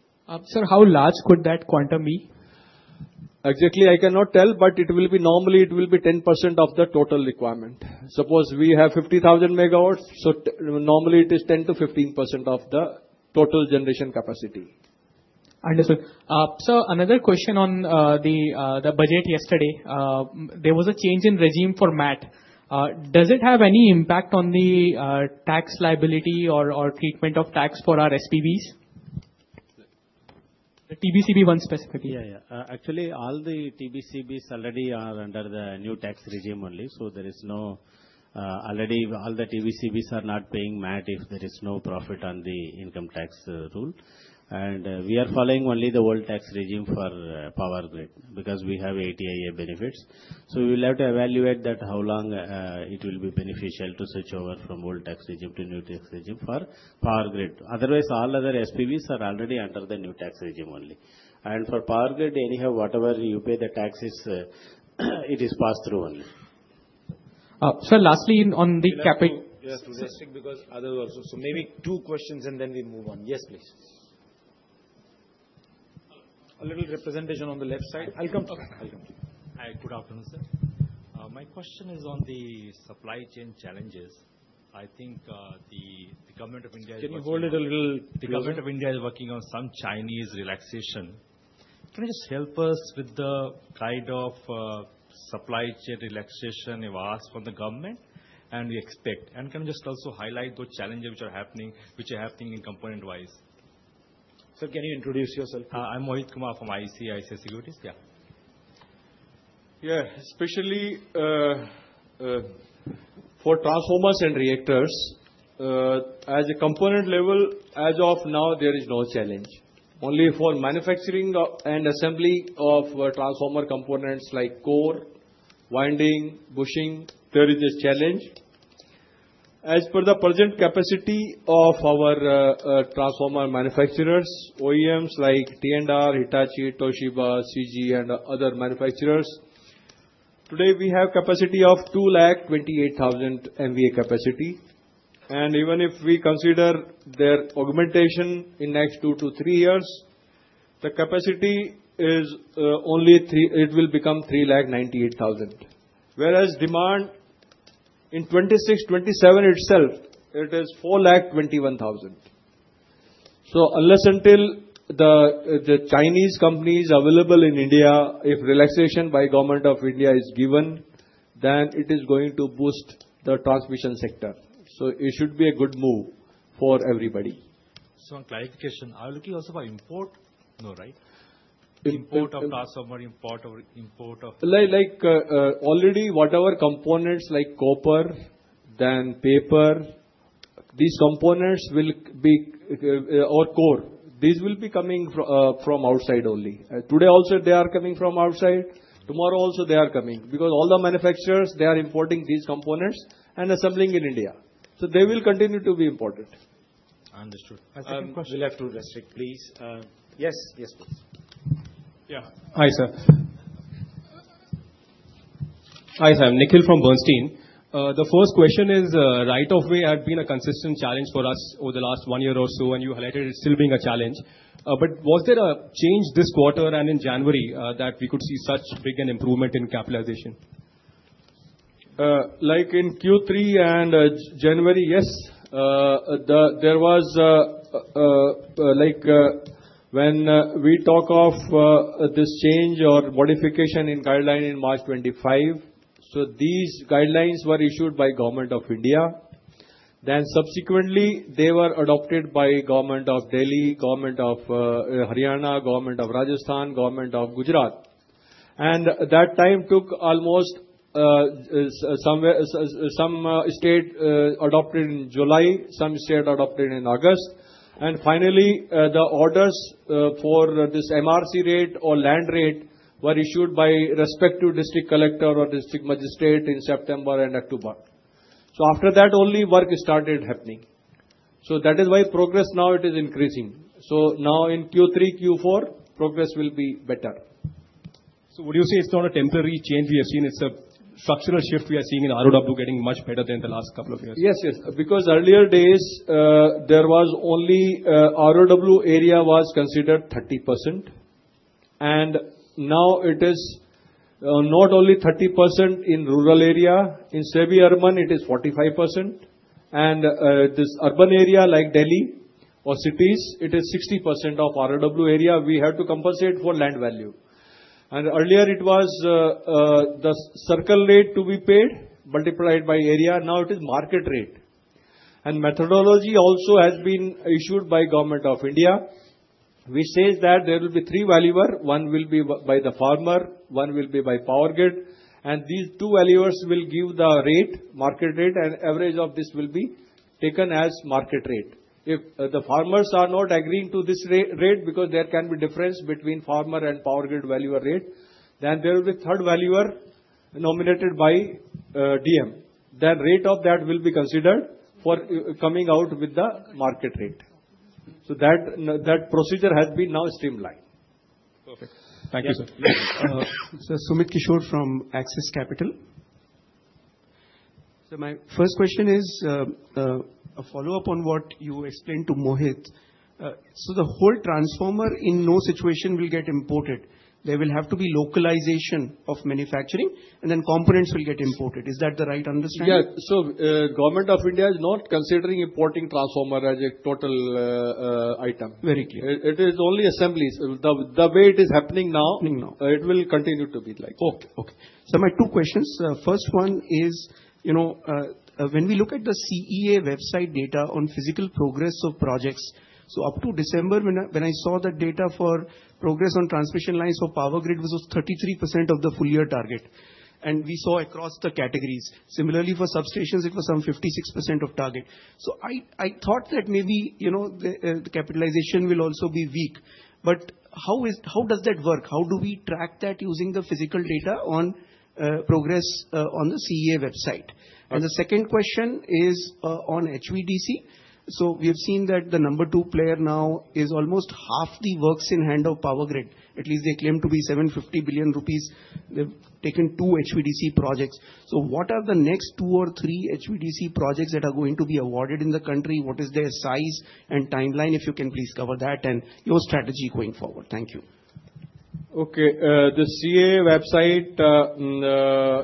Sir, how large could that quantum be? Exactly, I cannot tell, but it will be normally, it will be 10% of the total requirement. Suppose we have 50,000 MW, so normally it is 10%-15% of the total generation capacity. Understood. Sir, another question on the budget yesterday. There was a change in regime for MAT. Does it have any impact on the tax liability or treatment of tax for our SPVs? The TBCB one specifically. Yeah, yeah. Actually, all the TBCBs already are under the new tax regime only, so there is no... Already all the TBCBs are not paying MAT if there is no profit on the income tax rule. And we are following only the old tax regime for Power Grid, because we have 80IA benefits. So we will have to evaluate that, how long it will be beneficial to switch over from old tax regime to new tax regime for Power Grid. Otherwise, all other SPVs are already under the new tax regime only. And for Power Grid, anyhow, whatever you pay the taxes, it is passed through only. sir, lastly, on the CapEx- We'll have to, we'll have to restrict because others also... So maybe two questions, and then we move on. Yes, please. A little representation on the left side. I'll come to you. I'll come to you. Hi, good afternoon, sir. My question is on the supply chain challenges. I think, the government of India- Can you go a little- The Government of India is working on some Chinese relaxation. Can you just help us with the kind of supply chain relaxation you've asked from the government, and we expect? And can you just also highlight those challenges which are happening in component-wise? Sir, can you introduce yourself? I'm Mohit Kumar from ICICI Securities. Yeah. Yeah. Especially, for transformers and reactors, as a component level, as of now, there is no challenge. Only for manufacturing of, and assembly of transformer components like core, winding, bushing, there is this challenge. As per the present capacity of our transformer manufacturers, OEMs like T&R, Hitachi, Toshiba, CG, and other manufacturers, today, we have capacity of 228,000 MVA capacity, and even if we consider their augmentation in next two to three years, the capacity is only three—it will become 398,000. Whereas demand in 2026, 2027 itself, it is 421,000. So unless until the Chinese companies available in India, if relaxation by Government of India is given, then it is going to boost the transmission sector. So it should be a good move for everybody. So, one clarification, are we talking also about import? No, right. Import of transformer, import or import of- Like, already whatever components like copper, then paper, these components will be, or core. These will be coming from outside only. Today also, they are coming from outside, tomorrow also, they are coming, because all the manufacturers, they are importing these components and assembling in India. So they will continue to be imported. Understood. I think we'll have to restrict, please. Yes. Yes, please. Yeah. Hi, sir. Hi, sir. Nikhil from Bernstein. The first question is, Right of Way has been a consistent challenge for us over the last one year or so, and you highlighted it's still being a challenge. But was there a change this quarter and in January, that we could see such big an improvement in capitalization? Like in Q3 and January, yes, there was like when we talk of this change or modification in guideline in March 2025, so these guidelines were issued by Government of India. Then subsequently, they were adopted by Government of Delhi, Government of Haryana, Government of Rajasthan, Government of Gujarat. And that time took almost some state adopted in July, some state adopted in August. And finally, the orders for this MRC rate or land rate were issued by respective district collector or district magistrate in September and October. So after that, only work started happening. So that is why progress now it is increasing. So now in Q3, Q4, progress will be better. Would you say it's not a temporary change we have seen, it's a structural shift we are seeing in ROW getting much better than the last couple of years? Yes, yes. Because earlier days, there was only ROW area was considered 30%, and now it is not only 30% in rural area, in semi-urban, it is 45%, and this urban area, like Delhi or cities, it is 60% of ROW area we have to compensate for land value. And earlier, it was the circle rate to be paid, multiplied by area, now it is market rate. And methodology also has been issued by Government of India, which says that there will be three valuers, one will be by the farmer, one will be by Power Grid, and these two valuers will give the rate, market rate, and average of this will be taken as market rate. If the farmers are not agreeing to this rate, because there can be difference between farmer and Power Grid valuer rate, then there will be third valuer nominated by DM. Then rate of that will be considered for coming out with the market rate. So that procedure has been now streamlined. Perfect. Thank you, sir. Sumit Kishore from Axis Capital. So my first question is, a follow-up on what you explained to Mohit. So the whole transformer in no situation will get imported. There will have to be localization of manufacturing, and then components will get imported. Is that the right understanding? Yeah. So, Government of India is not considering importing transformer as a total item. Very clear. It is only assemblies. The way it is happening now- Happening now. It will continue to be like that. Okay, okay. So my two questions. First one is, you know, when we look at the CEA website data on physical progress of projects, so up to December, when I saw the data for progress on transmission lines for Power Grid, which was 33% of the full year target, and we saw across the categories. Similarly, for substations, it was some 56% of target. So I thought that maybe, you know, the capitalization will also be weak. But how does that work? How do we track that using the physical data on progress on the CEA website? Right. The second question is on HVDC. So we have seen that the number two player now is almost half the works in hand of Power Grid. At least they claim to be 750 billion rupees. They've taken two HVDC projects. So what are the next two or three HVDC projects that are going to be awarded in the country? What is their size and timeline, if you can please cover that, and your strategy going forward? Thank you. Okay, the CEA website,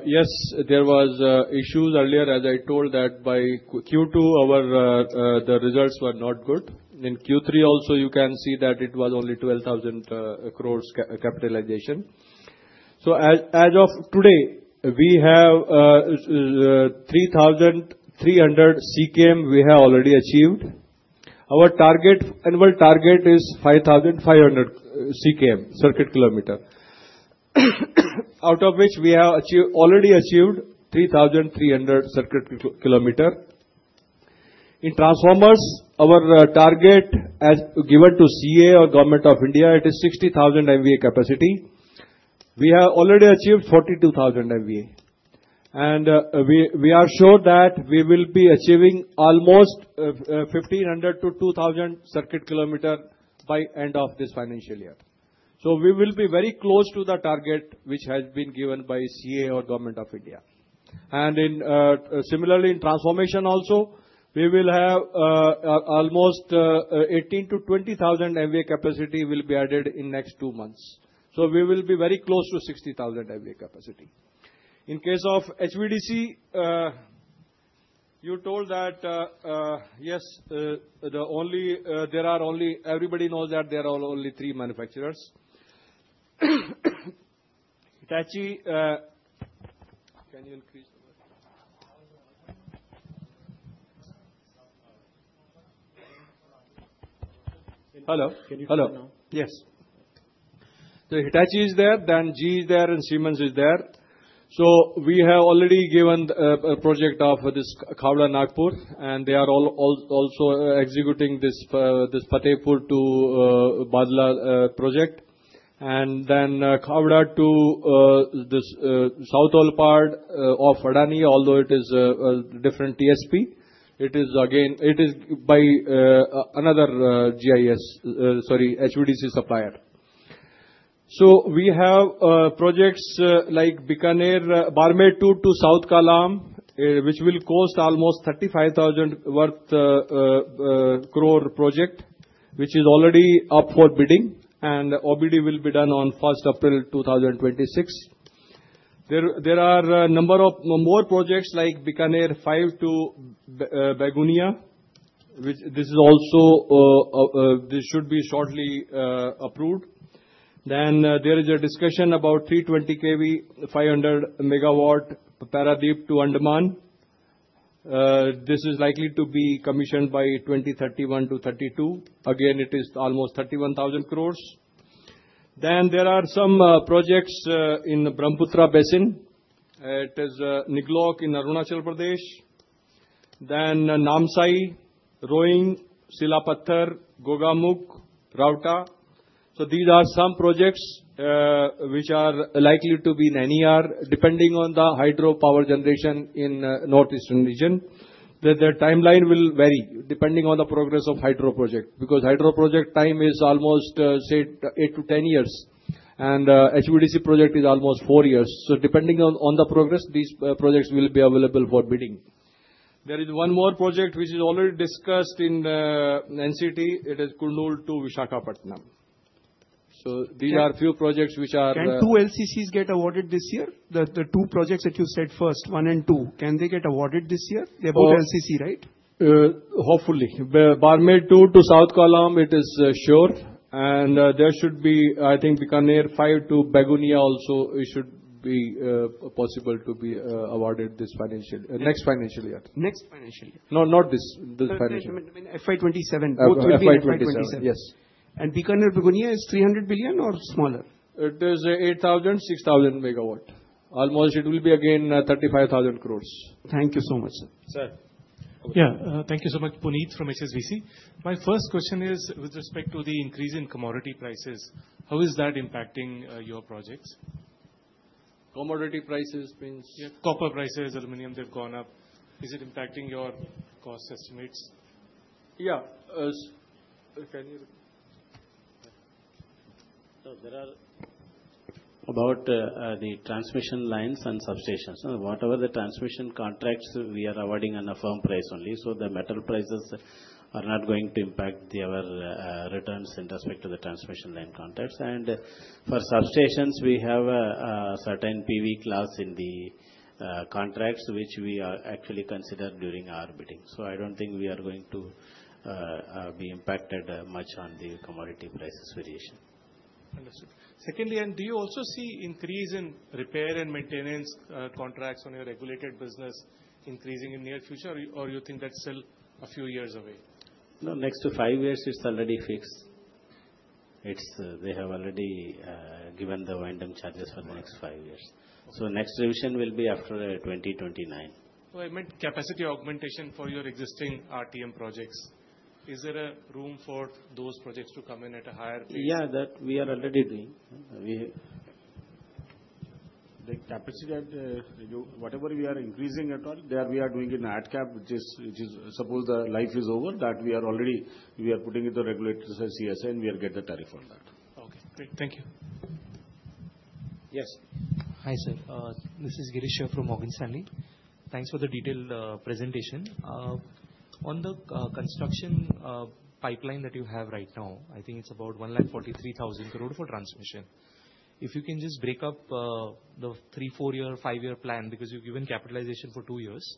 yes, there was issues earlier, as I told that by Q2, our the results were not good. In Q3 also, you can see that it was only 12,000 crore capitalization. So as of today, we have 3,300 CKM we have already achieved. Our target, annual target is 5,500 CKM, circuit kilometer, out of which we have already achieved 3,300 circuit kilometer. In transformers, our target as given to CEA or Government of India, it is 60,000 MVA capacity. We have already achieved 42,000 MVA, and we are sure that we will be achieving almost 1,500-2,000 circuit kilometer by end of this financial year. So we will be very close to the target, which has been given by CA or government of India. And in, similarly, in transformation also, we will have, almost, 18,000-20,000 MVA capacity will be added in next two months. So we will be very close to 60,000 MVA capacity. In case of HVDC, you told that, yes, the only, there are only three manufacturers. Hitachi... Can you increase the- Hello? Hello. Yes. The Hitachi is there, then GE is there, and Siemens is there. So we have already given a project of this Khavda-Nagpur, and they are also executing this Fatehgarh to Badla project. And then, Khavda to this southern part of Adani, although it is a different TSP, it is again, it is by another GIS, sorry, HVDC supplier. So we have projects like Bikaner, Barmer II to Srikakulam, which will cost almost 35,000 crore project, which is already up for bidding, and OBD will be done on April 1, 2026. There are a number of more projects like Bikaner-V to Begunia, which this is also, this should be shortly approved. There is a discussion about 320 kV, 500 MW Paradip to Andaman. This is likely to be commissioned by 2031-2032. Again, it is almost 31,000 crore. There are some projects in the Brahmaputra Basin. It is Niglok in Arunachal Pradesh, then Namsai, Roing, Silapathar, Gogamukh, Rowta. So these are some projects which are likely to be in NER. Depending on the hydropower generation in northeastern region, the timeline will vary depending on the progress of hydro project, because hydro project time is almost, say, 8-10 years, and HVDC project is almost 4 years. So depending on the progress, these projects will be available for bidding. There is one more project which is already discussed in the NCT. It is Kurnool to Visakhapatnam. These are few projects which are, Can two LCCs get awarded this year? The two projects that you said first, one and two, can they get awarded this year? They're both LCC, right? Hopefully. Barmer II to Srikakulam, it is sure. And there should be, I think, Bikaner-V to Begunia also, it should be possible to be awarded this financial... next financial year. Next financial year? No, not this, this financial. I mean, FY27. FY 2027. Both will be in FY 27. Yes. Bikaner to Begunia is 300 billion or smaller? It is 8,000, 6,000 MW. Almost it will be again, 35,000 crore. Thank you so much, sir. Sir. Yeah. Thank you so much. Puneet from HSBC. My first question is with respect to the increase in commodity prices, how is that impacting your projects? Commodity prices means? Yeah, copper prices, aluminum, they've gone up. Is it impacting your cost estimates? Yeah, can you? So there are about the transmission lines and substations. Whatever the transmission contracts, we are awarding on a firm price only. So the metal prices are not going to impact our returns in respect to the transmission line contracts. And for substations, we have a certain PV clause in the contracts, which we are actually considered during our bidding. So I don't think we are going to be impacted much on the commodity prices variation. Understood. Secondly, and do you also see increase in repair and maintenance, contracts on your regulated business increasing in near future, or you think that's still a few years away? No, next 25 years, it's already fixed. It's... They have already given the random charges for the next 5 years. So next revision will be after 2029. So I meant capacity augmentation for your existing RTM projects. Is there a room for those projects to come in at a higher pace? Yeah, that we are already doing. We- The capacity that whatever we are increasing at all, there we are doing an add cap, which is supposed the life is over, that we are putting in the regulatory CS, and we will get the tariff on that. Okay, great. Thank you. Yes. Hi, sir. This is Girish here from Morgan Stanley. Thanks for the detailed presentation. On the construction pipeline that you have right now, I think it's about 143,000 crore for transmission. If you can just break up the three-, four-, five-year plan, because you've given capitalization for two years.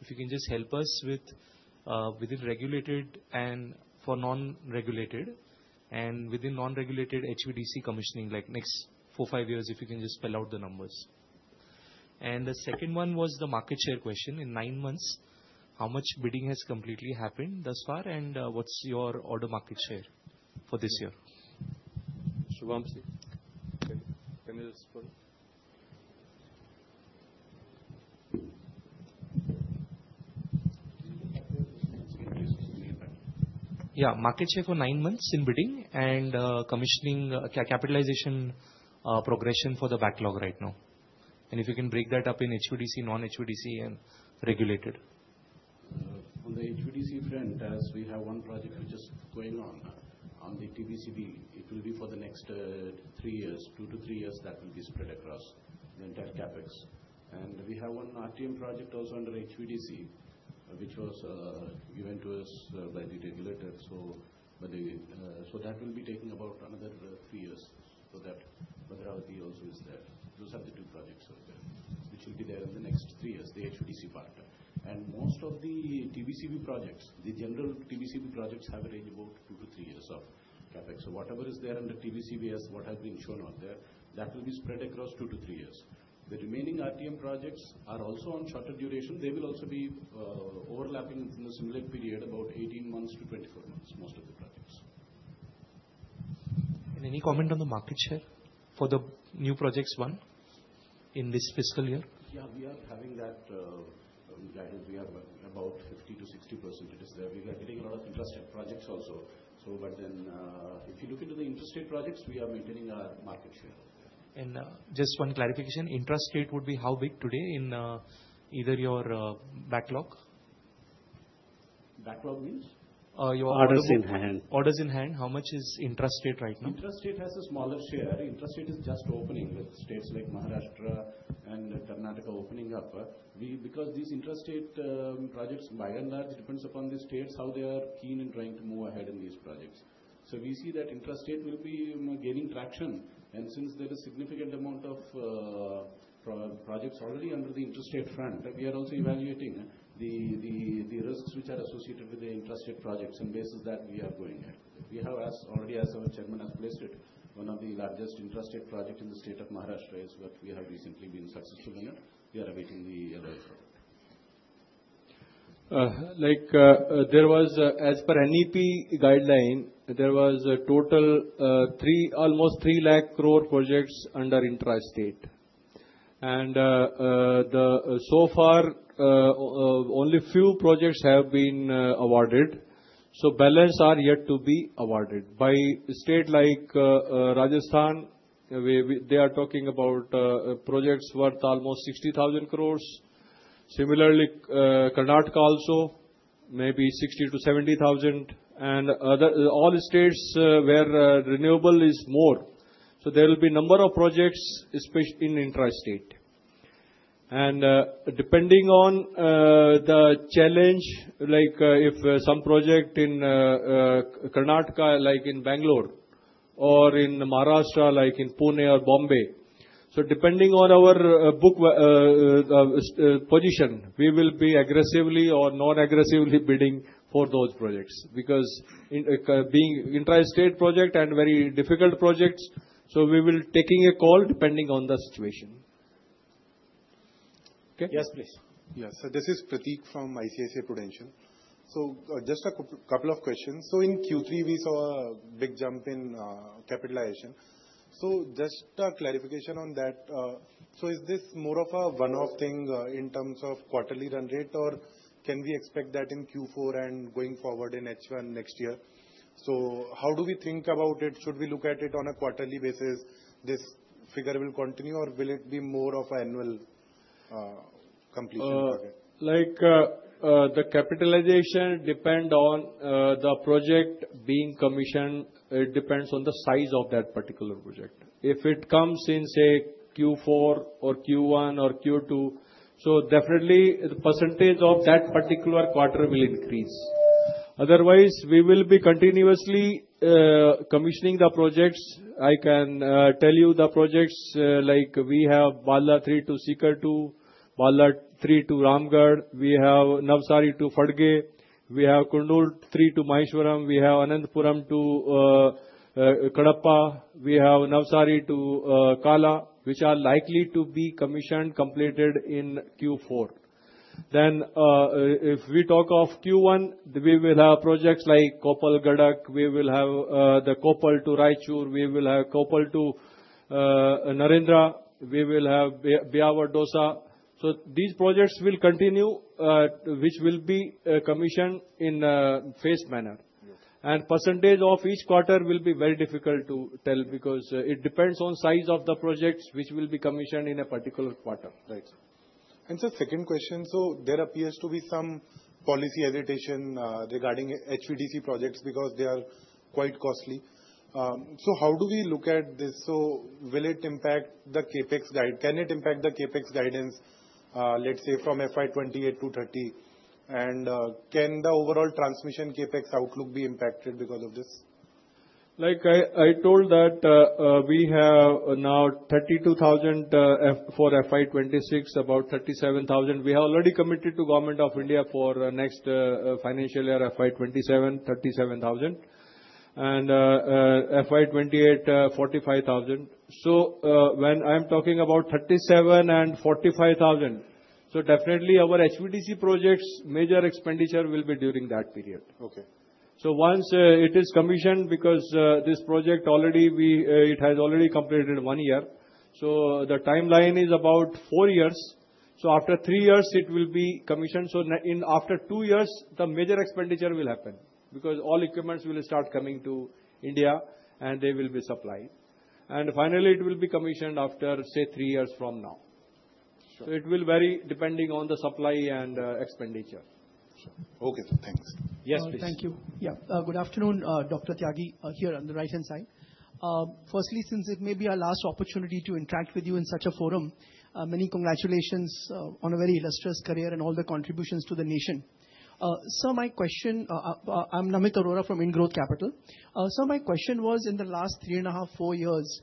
If you can just help us with, within regulated and for non-regulated, and within non-regulated, HVDC commissioning, like next four, five years, if you can just spell out the numbers. And the second one was the market share question. In nine months, how much bidding has completely happened thus far, and, what's your order market share for this year? Shubham, can you explain?... Yeah, market share for nine months in bidding and commissioning, capitalization, progression for the backlog right now. And if you can break that up in HVDC, non-HVDC, and regulated. On the HVDC front, as we have one project which is going on, on the TBCB, it will be for the next 3 years, 2-3 years that will be spread across the entire CapEx. And we have one RTM project also under HVDC, which was given to us by the regulator. So that will be taking about another 3 years. So, but reality also is that those are the two projects over there, which will be there in the next 3 years, the HVDC part. And most of the TBCB projects, the general TBCB projects, have a range about 2-3 years of CapEx. So whatever is there under TBCB, as what has been shown on there, that will be spread across 2-3 years. The remaining RTM projects are also on shorter duration. They will also be overlapping in a similar period, about 18-24 months, most of the projects. Any comment on the market share for the new projects won in this fiscal year? Yeah, we are having that, that we have about 50%-60%. It is there. We are getting a lot of intrastate projects also. So but then, if you look into the intrastate projects, we are maintaining our market share. Just one clarification, intrastate would be how big today in either your backlog? Backlog means? Uh, your- Orders in hand. Orders in hand, how much is intrastate right now? Intrastate has a smaller share. Intrastate is just opening, with states like Maharashtra and Karnataka opening up. We, because these intrastate projects, by and large, depends upon the states, how they are keen in trying to move ahead in these projects. So we see that intrastate will be, you know, gaining traction. And since there is significant amount of projects already under the intrastate front, we are also evaluating the risks which are associated with the intrastate projects, on basis that we are going ahead. We have, as already as our chairman has placed it, one of the largest intrastate project in the state of Maharashtra, is what we have recently been successful in it. We are awaiting the result. Like, there was, as per NEP guideline, there was a total, almost three lakh crore projects under intrastate. And, so far, only few projects have been awarded, so balance are yet to be awarded. By state like Rajasthan, we, they are talking about projects worth almost 60,000 crore. Similarly, Karnataka also, maybe 60,000-70,000 crore. And other, all states, where renewable is more. So there will be number of projects, especially in intrastate. And, depending on the challenge, like, if some project in Karnataka, like in Bangalore, or in Maharashtra, like in Pune or Bombay. So depending on our book position, we will be aggressively or non-aggressively bidding for those projects. Because in being intrastate project and very difficult projects, so we will taking a call depending on the situation. Okay? Yes, please. Yes. So this is Prateek from ICICI Prudential. So, just a couple of questions. So in Q3, we saw a big jump in capitalization. So just a clarification on that. So is this more of a one-off thing in terms of quarterly run rate, or can we expect that in Q4 and going forward in H1 next year? So how do we think about it? Should we look at it on a quarterly basis, this figure will continue, or will it be more of annual completion project? Like, the capitalization depend on the project being commissioned. It depends on the size of that particular project. If it comes in, say, Q4 or Q1 or Q2, so definitely the percentage of that particular quarter will increase. Otherwise, we will be continuously commissioning the projects. I can tell you the projects, like we have Bhadla 3 to Sikar 2, Bhadla 3 to Ramgarh. We have Bhiwadi to Padghe. We have Kurnool 3 to Maheshwaram. We have Anantapur to Kadapa. We have Bhiwadi to Kala Amb, which are likely to be commissioned, completed in Q4. Then, if we talk of Q1, we will have projects like Koppal-Gadag. We will have the Koppal to Raichur. We will have Koppal to Narendra. We will have Bhiwadi-Dausa. These projects will continue, which will be commissioned in a phased manner. Yes. Percentage of each quarter will be very difficult to tell because it depends on size of the projects which will be commissioned in a particular quarter. Right. Sir, second question: so there appears to be some policy hesitation regarding HVDC projects because they are quite costly. So how do we look at this? So will it impact the CapEx guide—can it impact the CapEx guidance, let's say, from FY 2028 to 2030? And can the overall transmission CapEx outlook be impacted because of this? Like I, I told that, we have now 32,000, for FY 2026, about 37,000. We have already committed to Government of India for next, financial year, FY 2027, 37,000. FY 2028, 45,000. So, when I'm talking about 37,000 and 45,000, so definitely our HVDC projects, major expenditure will be during that period. Okay. So once it is commissioned, because this project already it has already completed one year, so the timeline is about four years. So after three years, it will be commissioned. So in after two years, the major expenditure will happen, because all equipments will start coming to India, and they will be supplied. And finally, it will be commissioned after, say, three years from now. Sure. So it will vary depending on the supply and expenditure. Sure. Okay, so thanks. Yes, please. Thank you. Yeah. Good afternoon, Dr. Tyagi, here on the right-hand side. Firstly, since it may be our last opportunity to interact with you in such a forum, many congratulations on a very illustrious career and all the contributions to the nation. So my question, I'm Namit Arora from IndGrowth Capital. So my question was: in the last 3.5-4 years,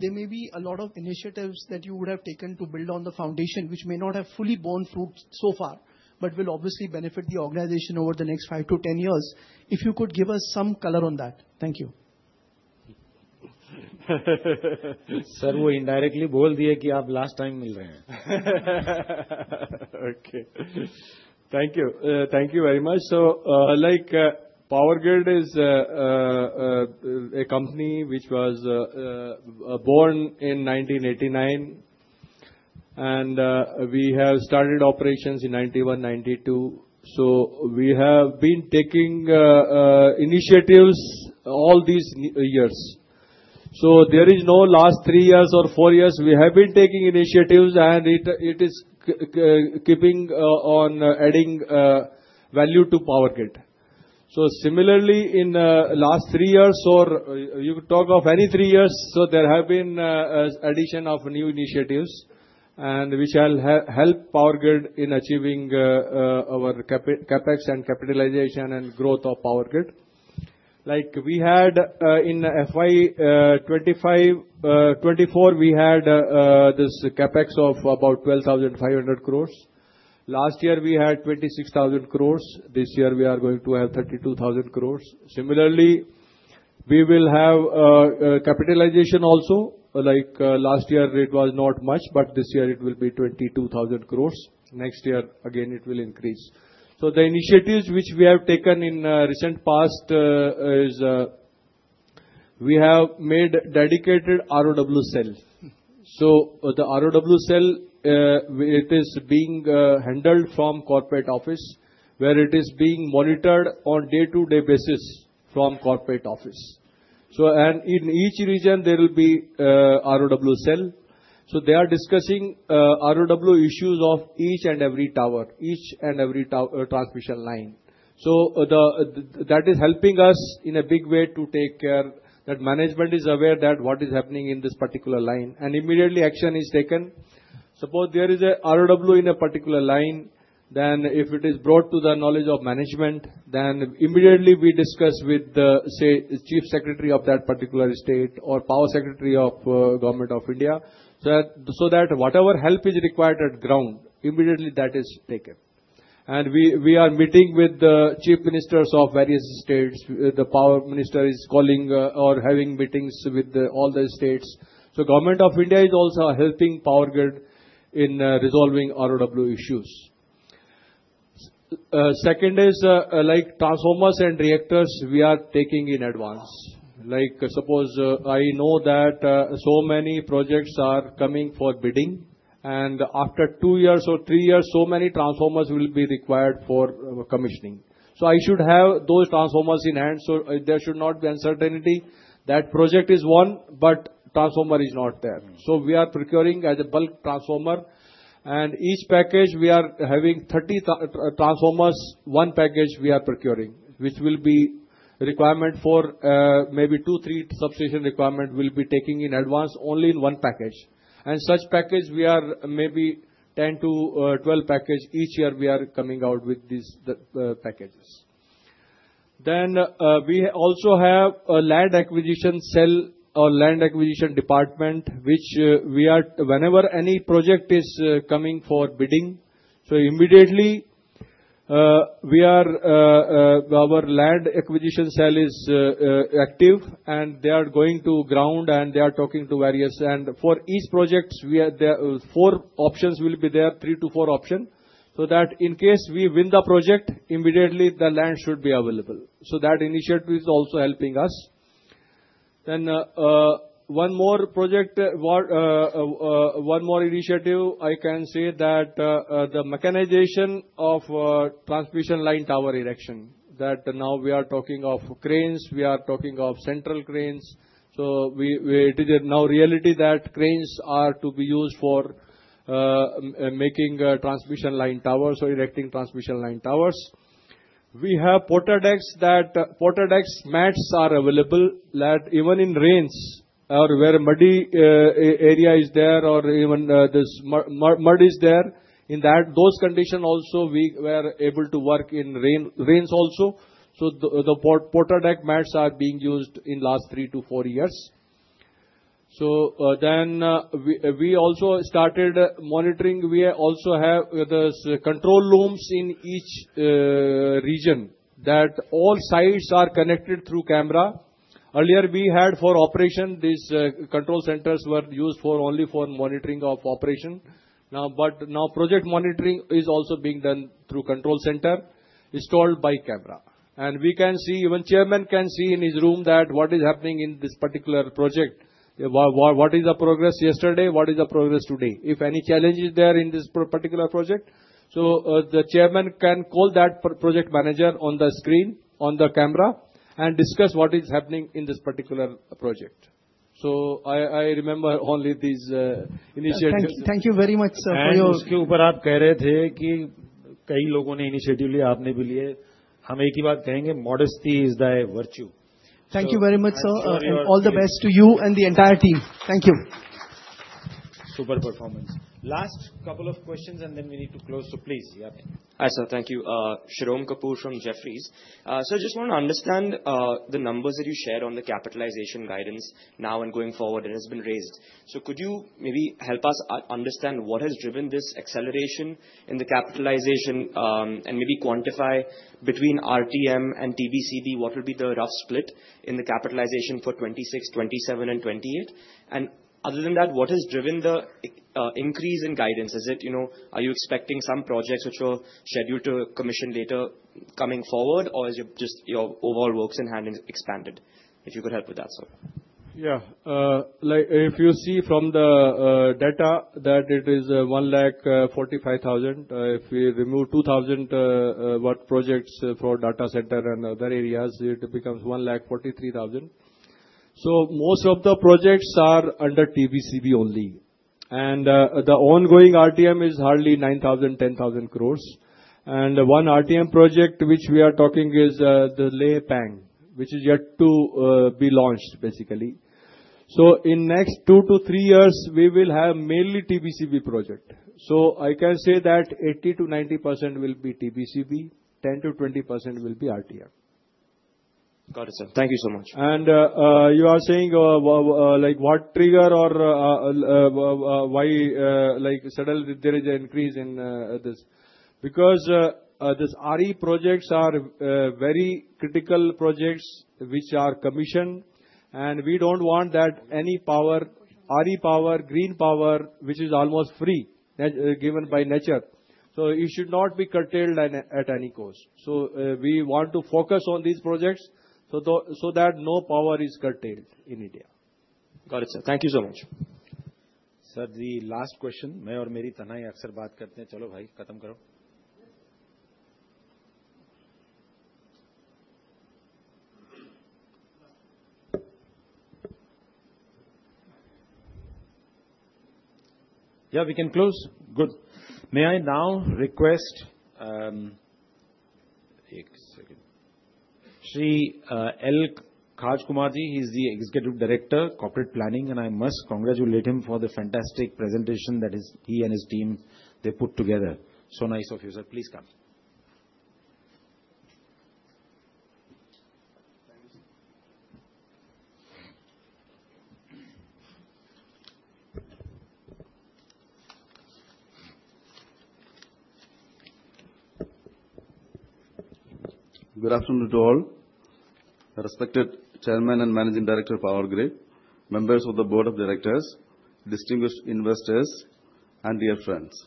there may be a lot of initiatives that you would have taken to build on the foundation, which may not have fully borne fruit so far, but will obviously benefit the organization over the next 5-10 years. If you could give us some color on that. Thank you. Sir, indirectly, the world is dying, ki aap last time mil rahe hain. Okay. Thank you. Thank you very much. So, like, Power Grid is a company which was born in 1989, and we have started operations in 1991, 1992. So we have been taking initiatives all these years. So there is no last three years or four years, we have been taking initiatives, and it is keeping on adding value to Power Grid. So similarly, in last three years, or you could talk of any three years, so there have been addition of new initiatives, and which shall help Power Grid in achieving our CapEx and capitalization and growth of Power Grid. Like we had, in FY 2025, 2024, we had this CapEx of about 12,500 crore. Last year, we had 26,000 crore. This year, we are going to have 32,000 crore. Similarly, we will have capitalization also. Like, last year it was not much, but this year it will be 22,000 crore. Next year, again, it will increase. So the initiatives which we have taken in recent past is we have made dedicated ROW cell. So the ROW cell it is being handled from corporate office, where it is being monitored on day-to-day basis from corporate office. So, and in each region there will be a ROW cell. So they are discussing ROW issues of each and every tower, each and every transmission line. So the, the... That is helping us in a big way to take care, that management is aware that what is happening in this particular line, and immediately action is taken. Suppose there is a ROW in a particular line, then if it is brought to the knowledge of management, then immediately we discuss with the, say, Chief Secretary of that particular state or Power Secretary of Government of India, so that, so that whatever help is required at ground, immediately that is taken. And we are meeting with the Chief Ministers of various states. The Power Minister is calling or having meetings with all the states. So Government of India is also helping Power Grid in resolving ROW issues. Second is, like, transformers and reactors, we are taking in advance. Like, suppose, I know that so many projects are coming for bidding, and after 2 years or 3 years, so many transformers will be required for commissioning. So I should have those transformers in hand, so there should not be uncertainty. That project is one, but transformer is not there. So we are procuring as a bulk transformer, and each package, we are having 30 transformers, one package we are procuring, which will be requirement for maybe 2, 3 substation requirement will be taking in advance, only in one package. And such package, we are maybe 10-12 packages each year we are coming out with these packages. Then, we also have a land acquisition cell or land acquisition department, which, whenever any project is coming for bidding, so immediately, our land acquisition cell is active, and they are going to ground, and they are talking to various... And for each projects, four options will be there, three to four option, so that in case we win the project, immediately the land should be available. So that initiative is also helping us. Then, one more initiative, I can say that, the mechanization of transmission line tower erection, that now we are talking of cranes, we are talking of central cranes. So it is now reality that cranes are to be used for making transmission line towers or erecting transmission line towers. We have PortaDeck mats that are available, that even in rains or where muddy area is there or even there's mud is there, in that, those condition also we were able to work in rain, rains also. So the PortaDeck mats are being used in last 3-4 years. So then we also started monitoring. We also have the control rooms in each region, that all sites are connected through camera. Earlier, we had for operation, these control centers were used for only for monitoring of operation. Now, but now project monitoring is also being done through control center, installed by camera. We can see, even Chairman can see in his room, that what is happening in this particular project. What is the progress yesterday? What is the progress today? If any challenges there in this particular project, so the Chairman can call that project manager on the screen, on the camera, and discuss what is happening in this particular project. So I remember only these initiatives. Thank you, thank you very much, sir. And Thank you very much, sir. I'm sorry- All the best to you and the entire team. Thank you. Super performance. Last couple of questions, and then we need to close, so please, yeah. Hi, sir. Thank you. Sharom Kapoor from Jefferies. So I just want to understand the numbers that you shared on the capitalization guidance now and going forward, it has been raised. So could you maybe help us understand what has driven this acceleration in the capitalization, and maybe quantify between RTM and TBCB, what will be the rough split in the capitalization for 2026, 2027, and 2028? And other than that, what has driven the increase in guidance? Is it, you know, are you expecting some projects which will schedule to commission later coming forward, or is it just your overall works in hand has expanded? If you could help with that, sir. Yeah. Like, if you see from the data that it is one lakh forty-five thousand, if we remove two thousand what projects for data center and other areas, it becomes one lakh forty-three thousand. So most of the projects are under TBCB only, and the ongoing RTM is hardly nine thousand, ten thousand crores. And one RTM project, which we are talking, is the Leh Pang, which is yet to be launched, basically. So in next two to three years, we will have mainly TBCB project. So I can say that 80%-90% will be TBCB, 10%-20% will be RTM. Got it, sir. Thank you so much. You are saying, like, what trigger or why, like, suddenly there is an increase in this? Because this RE projects are very critical projects which are commissioned, and we don't want that any power, RE power, green power, which is almost free, given by nature, so it should not be curtailed at any cost. So we want to focus on these projects, so that no power is curtailed in India. Got it, sir. Thank you so much. Sir, the last question, Yeah, we can close? Good. May I now request, one second. Shri Lokesh Kumar Ji, he's the Executive Director, Corporate Planning, and I must congratulate him for the fantastic presentation that his—he and his team, they put together. So nice of you, sir. Please come. Thank you, sir. Good afternoon to all. Respected Chairman and Managing Director of Power Grid, members of the Board of Directors, distinguished investors, and dear friends.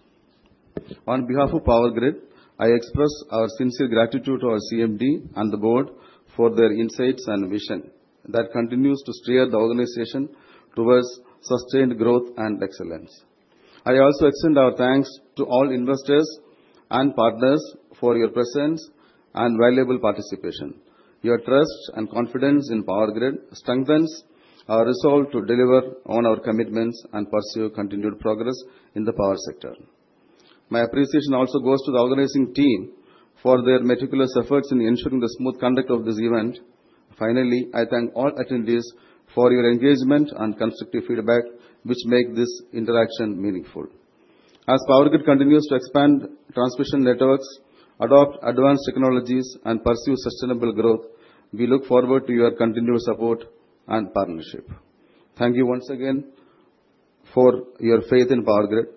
On behalf of Power Grid, I express our sincere gratitude to our CMD and the Board for their insights and vision that continues to steer the organization towards sustained growth and excellence. I also extend our thanks to all investors and partners for your presence and valuable participation. Your trust and confidence in Power Grid strengthens our resolve to deliver on our commitments and pursue continued progress in the power sector. My appreciation also goes to the organizing team for their meticulous efforts in ensuring the smooth conduct of this event. Finally, I thank all attendees for your engagement and constructive feedback, which make this interaction meaningful. As Power Grid continues to expand transmission networks, adopt advanced technologies, and pursue sustainable growth, we look forward to your continued support and partnership. Thank you once again for your faith in Power Grid.